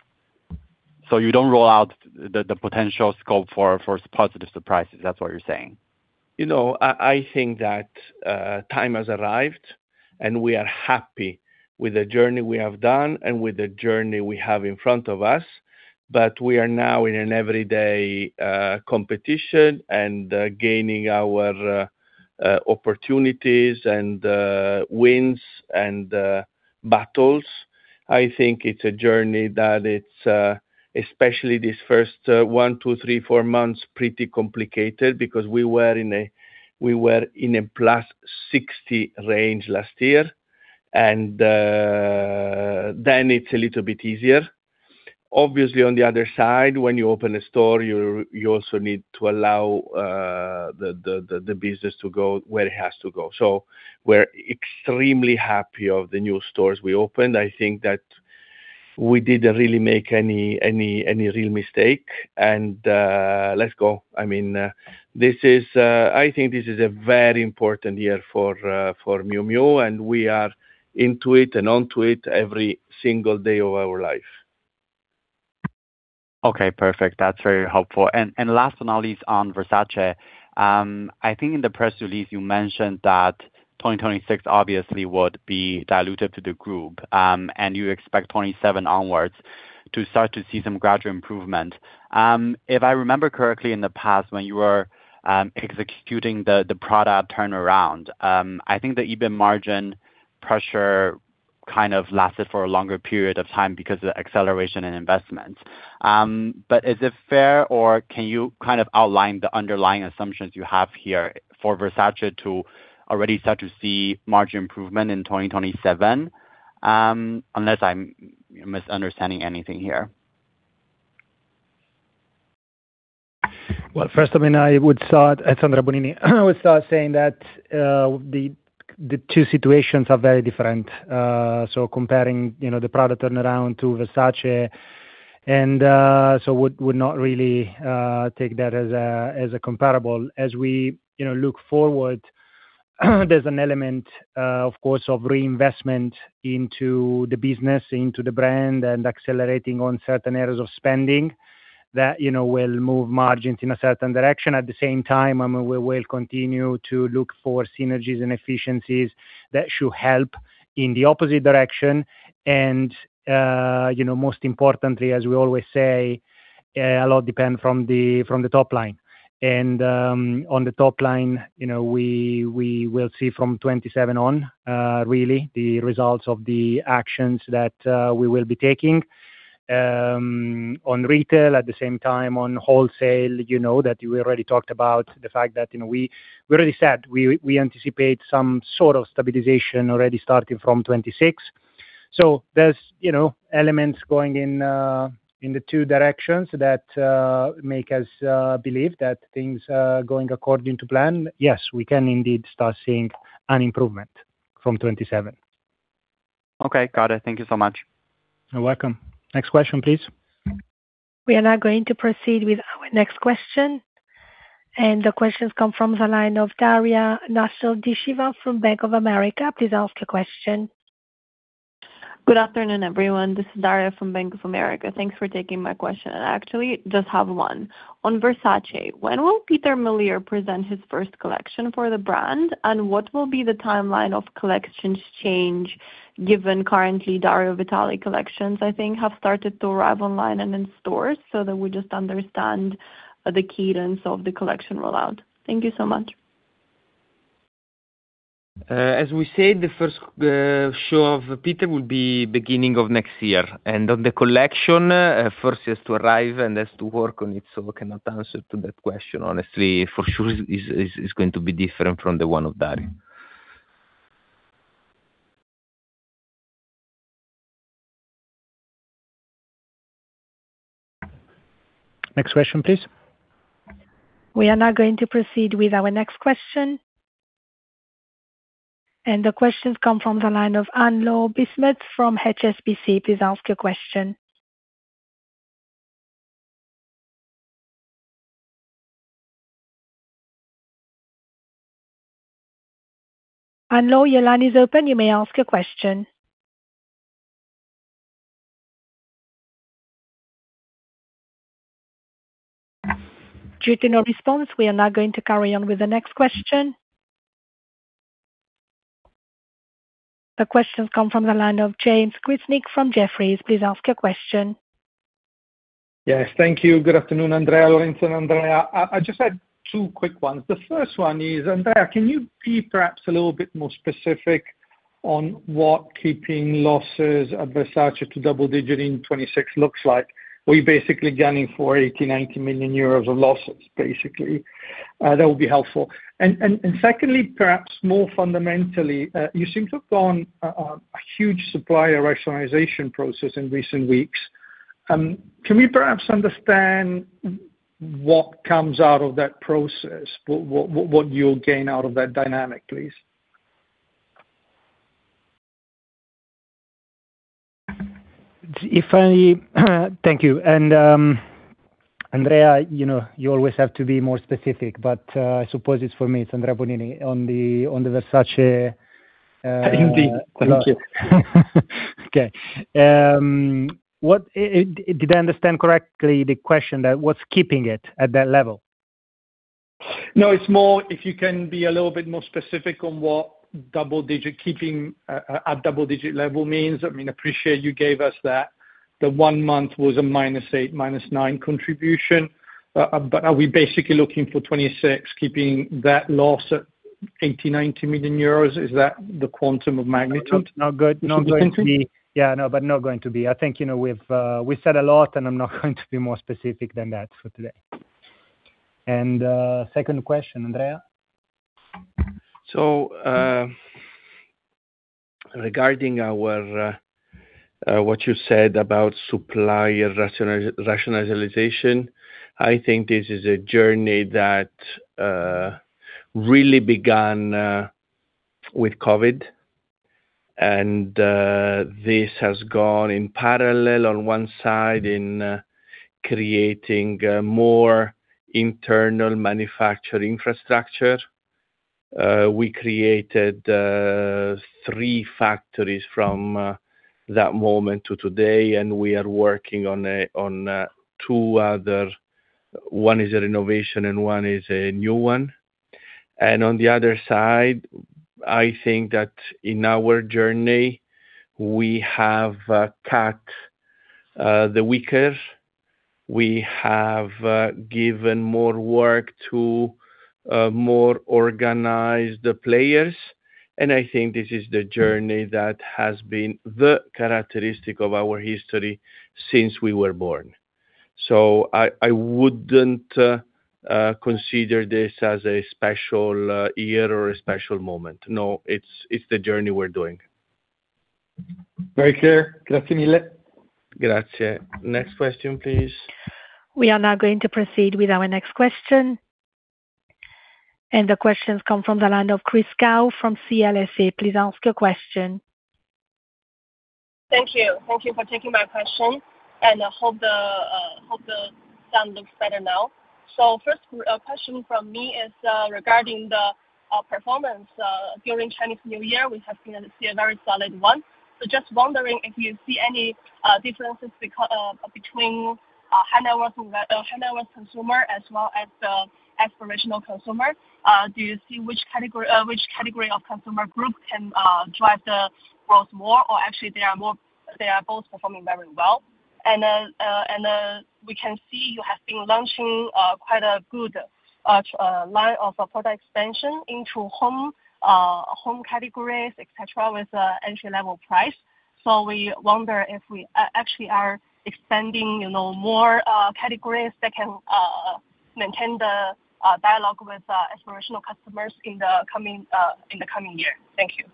You don't rule out the potential scope for positive surprises, that's what you're saying? You know, I think that time has arrived and we are happy with the journey we have done and with the journey we have in front of us. We are now in an everyday competition and gaining our opportunities and wins and battles. I think it's a journey that it's especially this first one, two, three, four months, pretty complicated because we were in a +60 range last year, then it's a little bit easier. Obviously, on the other side, when you open a store, you also need to allow the business to go where it has to go. We're extremely happy of the new stores we opened. I think that we didn't really make any real mistake. Let's go. I mean, this is, I think this is a very important year for Miu Miu, and we are into it and onto it every single day of our life. Okay, perfect. That's very helpful. Last but not least on Versace, I think in the press release you mentioned that 2026 obviously would be diluted to the group, and you expect 2027 onwards to start to see some gradual improvement. If I remember correctly, in the past when you were executing the product turnaround, I think the EBIT margin pressure kind of lasted for a longer period of time because of the acceleration in investment. Is it fair or can you kind of outline the underlying assumptions you have here for Versace to already start to see margin improvement in 2027? Unless I'm misunderstanding anything here. Well, first, I mean, I would start, at Andrea Bonini, I would start saying that the two situations are very different. Comparing, you know, the product turnaround to Versace and so would not really take that as a comparable. As we, you know, look forward There's an element, of course, of reinvestment into the business, into the brand, and accelerating on certain areas of spending that, you know, will move margins in a certain direction. At the same time, we will continue to look for synergies and efficiencies that should help in the opposite direction. Most importantly, as we always say, a lot depend from the top line. On the top line, you know, we will see from 2027 on really the results of the actions that we will be taking on retail, at the same time on wholesale. You know that we already talked about the fact that, you know, we already said we anticipate some sort of stabilization already starting from 2026. There's, you know, elements going in the two directions that make us believe that things are going according to plan. Yes, we can indeed start seeing an improvement from 2027. Okay. Got it. Thank you so much. You're welcome. Next question, please. We are now going to proceed with our next question, and the question comes from the line of Daria Nasledysheva from Bank of America. Please ask the question. Good afternoon, everyone. This is Daria from Bank of America. Thanks for taking my question. I actually just have one. On Versace, when will Pieter Mulier present his first collection for the brand, and what will be the timeline of collections change given currently Dario Vitale collections, I think, have started to arrive online and in stores, so that we just understand the cadence of the collection rollout. Thank you so much. As we said, the first show of Pieter will be beginning of next year. On the collection, first he has to arrive and has to work on it, so I cannot answer to that question. Honestly, for sure it is going to be different from the one of Dario. Next question, please. We are now going to proceed with our next question. The question comes from the line of [Anlo Bismet] from HSBC. Please ask your question. [Anlo], your line is open. You may ask your question. Due to no response, we are now going to carry on with the next question. The question comes from the line of James Grzinic from Jefferies. Please ask your question. Yes. Thank you. Good afternoon, Andrea, Lorenzo, and Andrea. I just had two quick ones. The first one is, Andrea, can you be perhaps a little bit more specific on what keeping losses at Versace to double-digit in 2026 looks like? We're basically gunning 80 million-90 million euros of losses, basically. That would be helpful. Secondly, perhaps more fundamentally, you seem to have gone on a huge supplier rationalization process in recent weeks. Can we perhaps understand what comes out of that process? What you'll gain out of that dynamic, please? Thank you. Andrea, you know, you always have to be more specific, but I suppose it's for me, it's Andrea Bonini on the Versace. Indeed. Thank you. Okay. Did I understand correctly the question that what's keeping it at that level? No. It's more if you can be a little bit more specific on what double-digit, keeping a double-digit level means. I mean, appreciate you gave us that the one month was a -8, -9 contribution. Are we basically looking for 2026, keeping that loss at 80 million-90 million euros? Is that the quantum of magnitude? Not good. Not going to be- [inaudible] Yeah. No, but not going to be. I think, you know, we've we said a lot, and I'm not going to be more specific than that for today. Second question, Andrea. Regarding our what you said about supplier rationalization, I think this is a journey that really began with COVID. This has gone in parallel on one side in creating more internal manufacturing infrastructure. We created three factories from that moment to today, and we are working on two other. One is a renovation and one is a new one. On the other side, I think that in our journey, we have cut the weaker. We have given more work to more organized players. I think this is the journey that has been the characteristic of our history since we were born. I wouldn't consider this as a special year or a special moment. No, it's the journey we're doing. Very clear. Grazie. Next question, please. We are now going to proceed with our next question. The question comes from the line of Chris Gao from CLSA. Please ask your question. Thank you. Thank you for taking my question. I hope the sound looks better now. First question from me is regarding the performance during Chinese New Year. We have seen a very solid one. Just wondering if you see any differences between high net worth consumer as well as aspirational consumer. Do you see which category of consumer group can drive the growth more? Actually, they are both performing very well. We can see you have been launching quite a good line of a product expansion into home categories, et cetera, with an entry-level price. We wonder if we actually are expanding, you know, more categories that can maintain the dialogue with aspirational customers in the coming year. Thank you.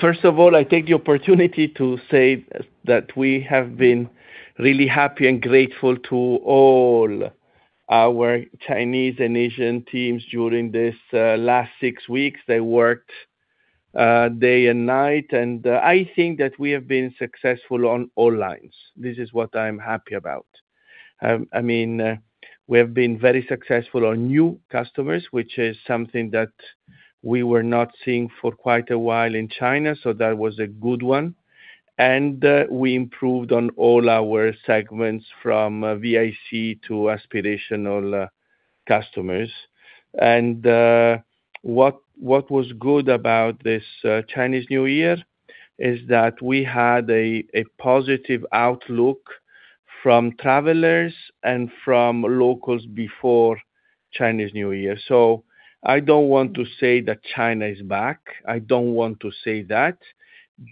First of all, I take the opportunity to say that we have been really happy and grateful to all our Chinese and Asian teams during this last six weeks. They worked day and night, and I think that we have been successful on all lines. This is what I'm happy about. I mean, we have been very successful on new customers, which is something that we were not seeing for quite a while in China, so that was a good one. We improved on all our segments from VIC to aspirational customers. What was good about this Chinese New Year is that we had a positive outlook from travelers and from locals before Chinese New Year. I don't want to say that China is back. I don't want to say that.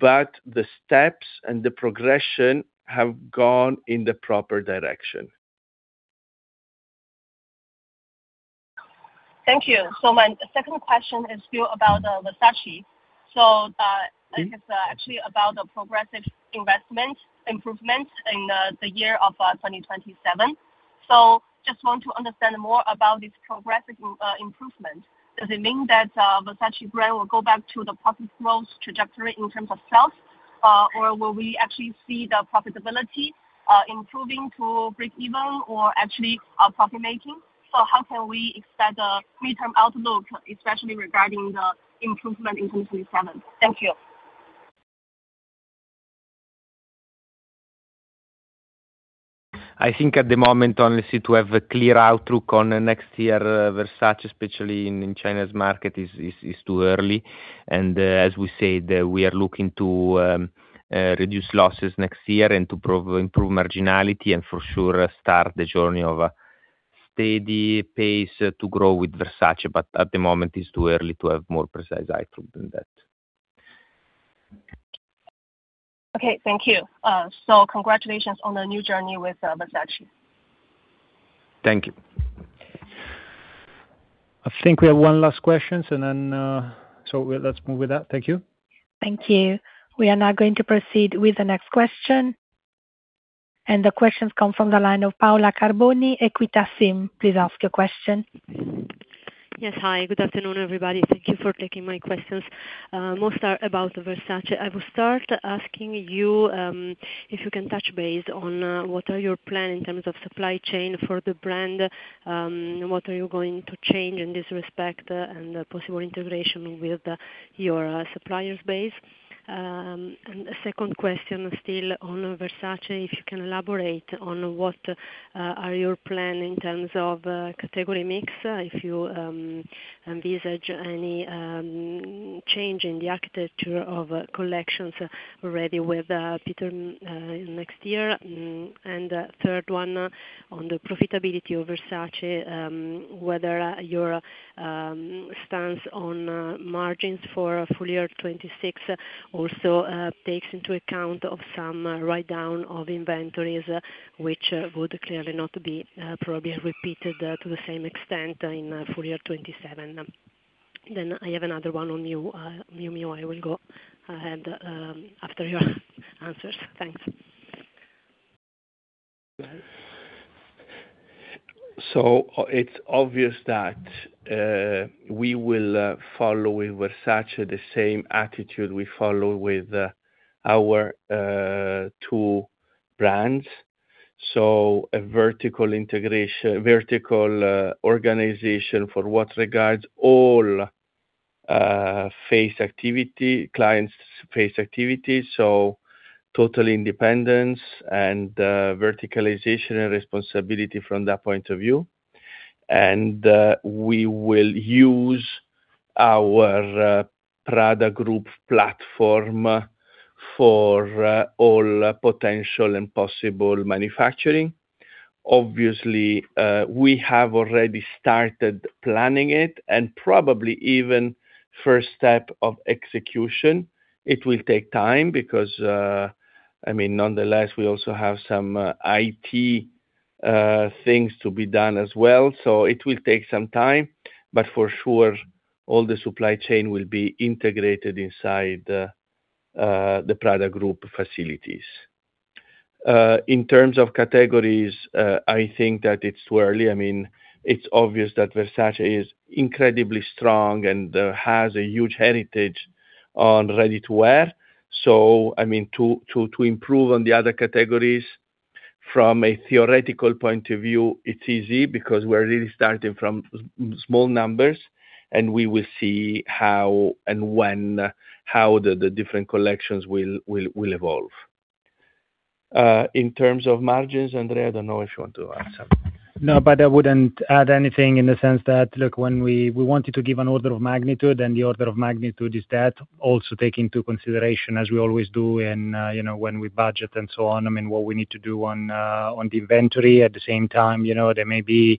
The steps and the progression have gone in the proper direction. Thank you. My second question is still about Versace. Mm-hmm. it's actually about the progressive investment improvement in the year of 2027. Just want to understand more about this progressive improvement. Does it mean that Versace brand will go back to the profit growth trajectory in terms of sales? Or will we actually see the profitability improving to breakeven or actually profit-making? How can we expect a midterm outlook, especially regarding the improvement in 2027? Thank you. I think at the moment, honestly, to have a clear outlook on the next year, Versace, especially in China's market is too early. As we said, we are looking to reduce losses next year and to improve marginality and for sure start the journey of a steady pace to grow with Versace. At the moment it's too early to have more precise outlook than that. Okay. Thank you. Congratulations on the new journey with Versace. Thank you. I think we have one last question and then, let's move with that. Thank you. Thank you. We are now going to proceed with the next question. The question comes from the line of Paola Carboni, Equita SIM. Please ask your question. Yes. Hi, good afternoon, everybody. Thank you for taking my questions. Most are about Versace. I will start asking you if you can touch base on what are your plan in terms of supply chain for the brand, what are you going to change in this respect and possible integration with the, your, suppliers base? A second question still on Versace, if you can elaborate on what are your plan in terms of category mix, if you envisage any change in the architecture of collections already with Pieter next year. Third one on the profitability of Versace, whether your stance on margins for full year 2026 also takes into account of some write-down of inventories, which would clearly not be probably repeated to the same extent in full year 2027. I have another one on Miu Miu. I will go ahead after your answers. Thanks. It's obvious that we will follow with Versace the same attitude we follow with our two brands. A vertical integration, vertical organization for what regards all face activity, clients face activity, total independence and verticalization and responsibility from that point of view. We will use our Prada Group platform for all potential and possible manufacturing. Obviously, we have already started planning it and probably even first step of execution. It will take time because, I mean, nonetheless, we also have some IT things to be done as well. It will take some time, but for sure all the supply chain will be integrated inside the Prada Group facilities. In terms of categories, I think that it's early. I mean, it's obvious that Versace is incredibly strong and has a huge heritage on ready-to-wear. I mean, to improve on the other categories from a theoretical point of view, it's easy because we're really starting from small numbers, and we will see how the different collections will evolve. In terms of margins, Andrea, I don't know if you want to add something. I wouldn't add anything in the sense that, look, when we wanted to give an order of magnitude, and the order of magnitude is that also take into consideration as we always do and, you know, when we budget and so on, I mean, what we need to do on the inventory at the same time, you know, there may be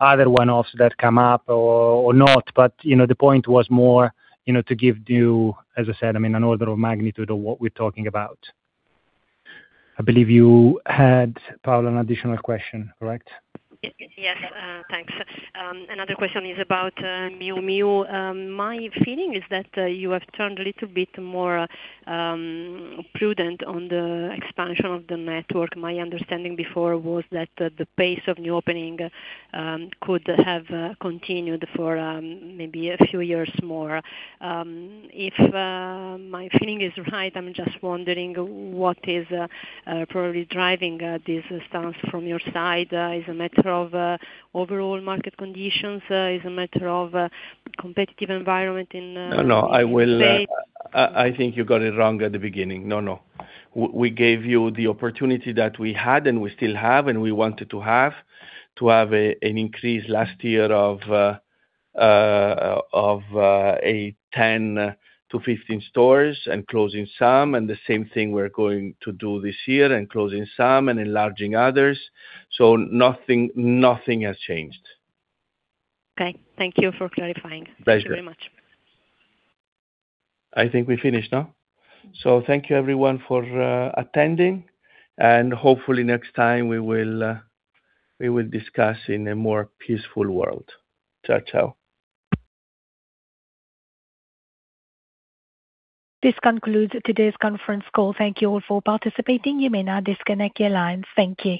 other one-offs that come up or not. The point was more, you know, to give you, as I said, I mean, an order of magnitude of what we're talking about. I believe you had, Paola, an additional question, correct? Yes. Thanks. Another question is about Miu Miu. My feeling is that you have turned a little bit more prudent on the expansion of the network. My understanding before was that the pace of new opening could have continued for maybe a few years more. If my feeling is right, I'm just wondering what is probably driving this stance from your side. Is a matter of overall market conditions, is a matter of competitive environment in. No, no, I think you got it wrong at the beginning. No, no. We gave you the opportunity that we had and we still have and we wanted to have, to have an increase last year of a 10-15 stores and closing some, and the same thing we're going to do this year and closing some and enlarging others. Nothing, nothing has changed. Okay. Thank you for clarifying. Pleasure. Thank you very much. I think we're finished, no? Thank you everyone for attending. Hopefully next time we will discuss in a more peaceful world. Ciao, ciao. This concludes today's conference call. Thank you all for participating. You may now disconnect your lines. Thank you.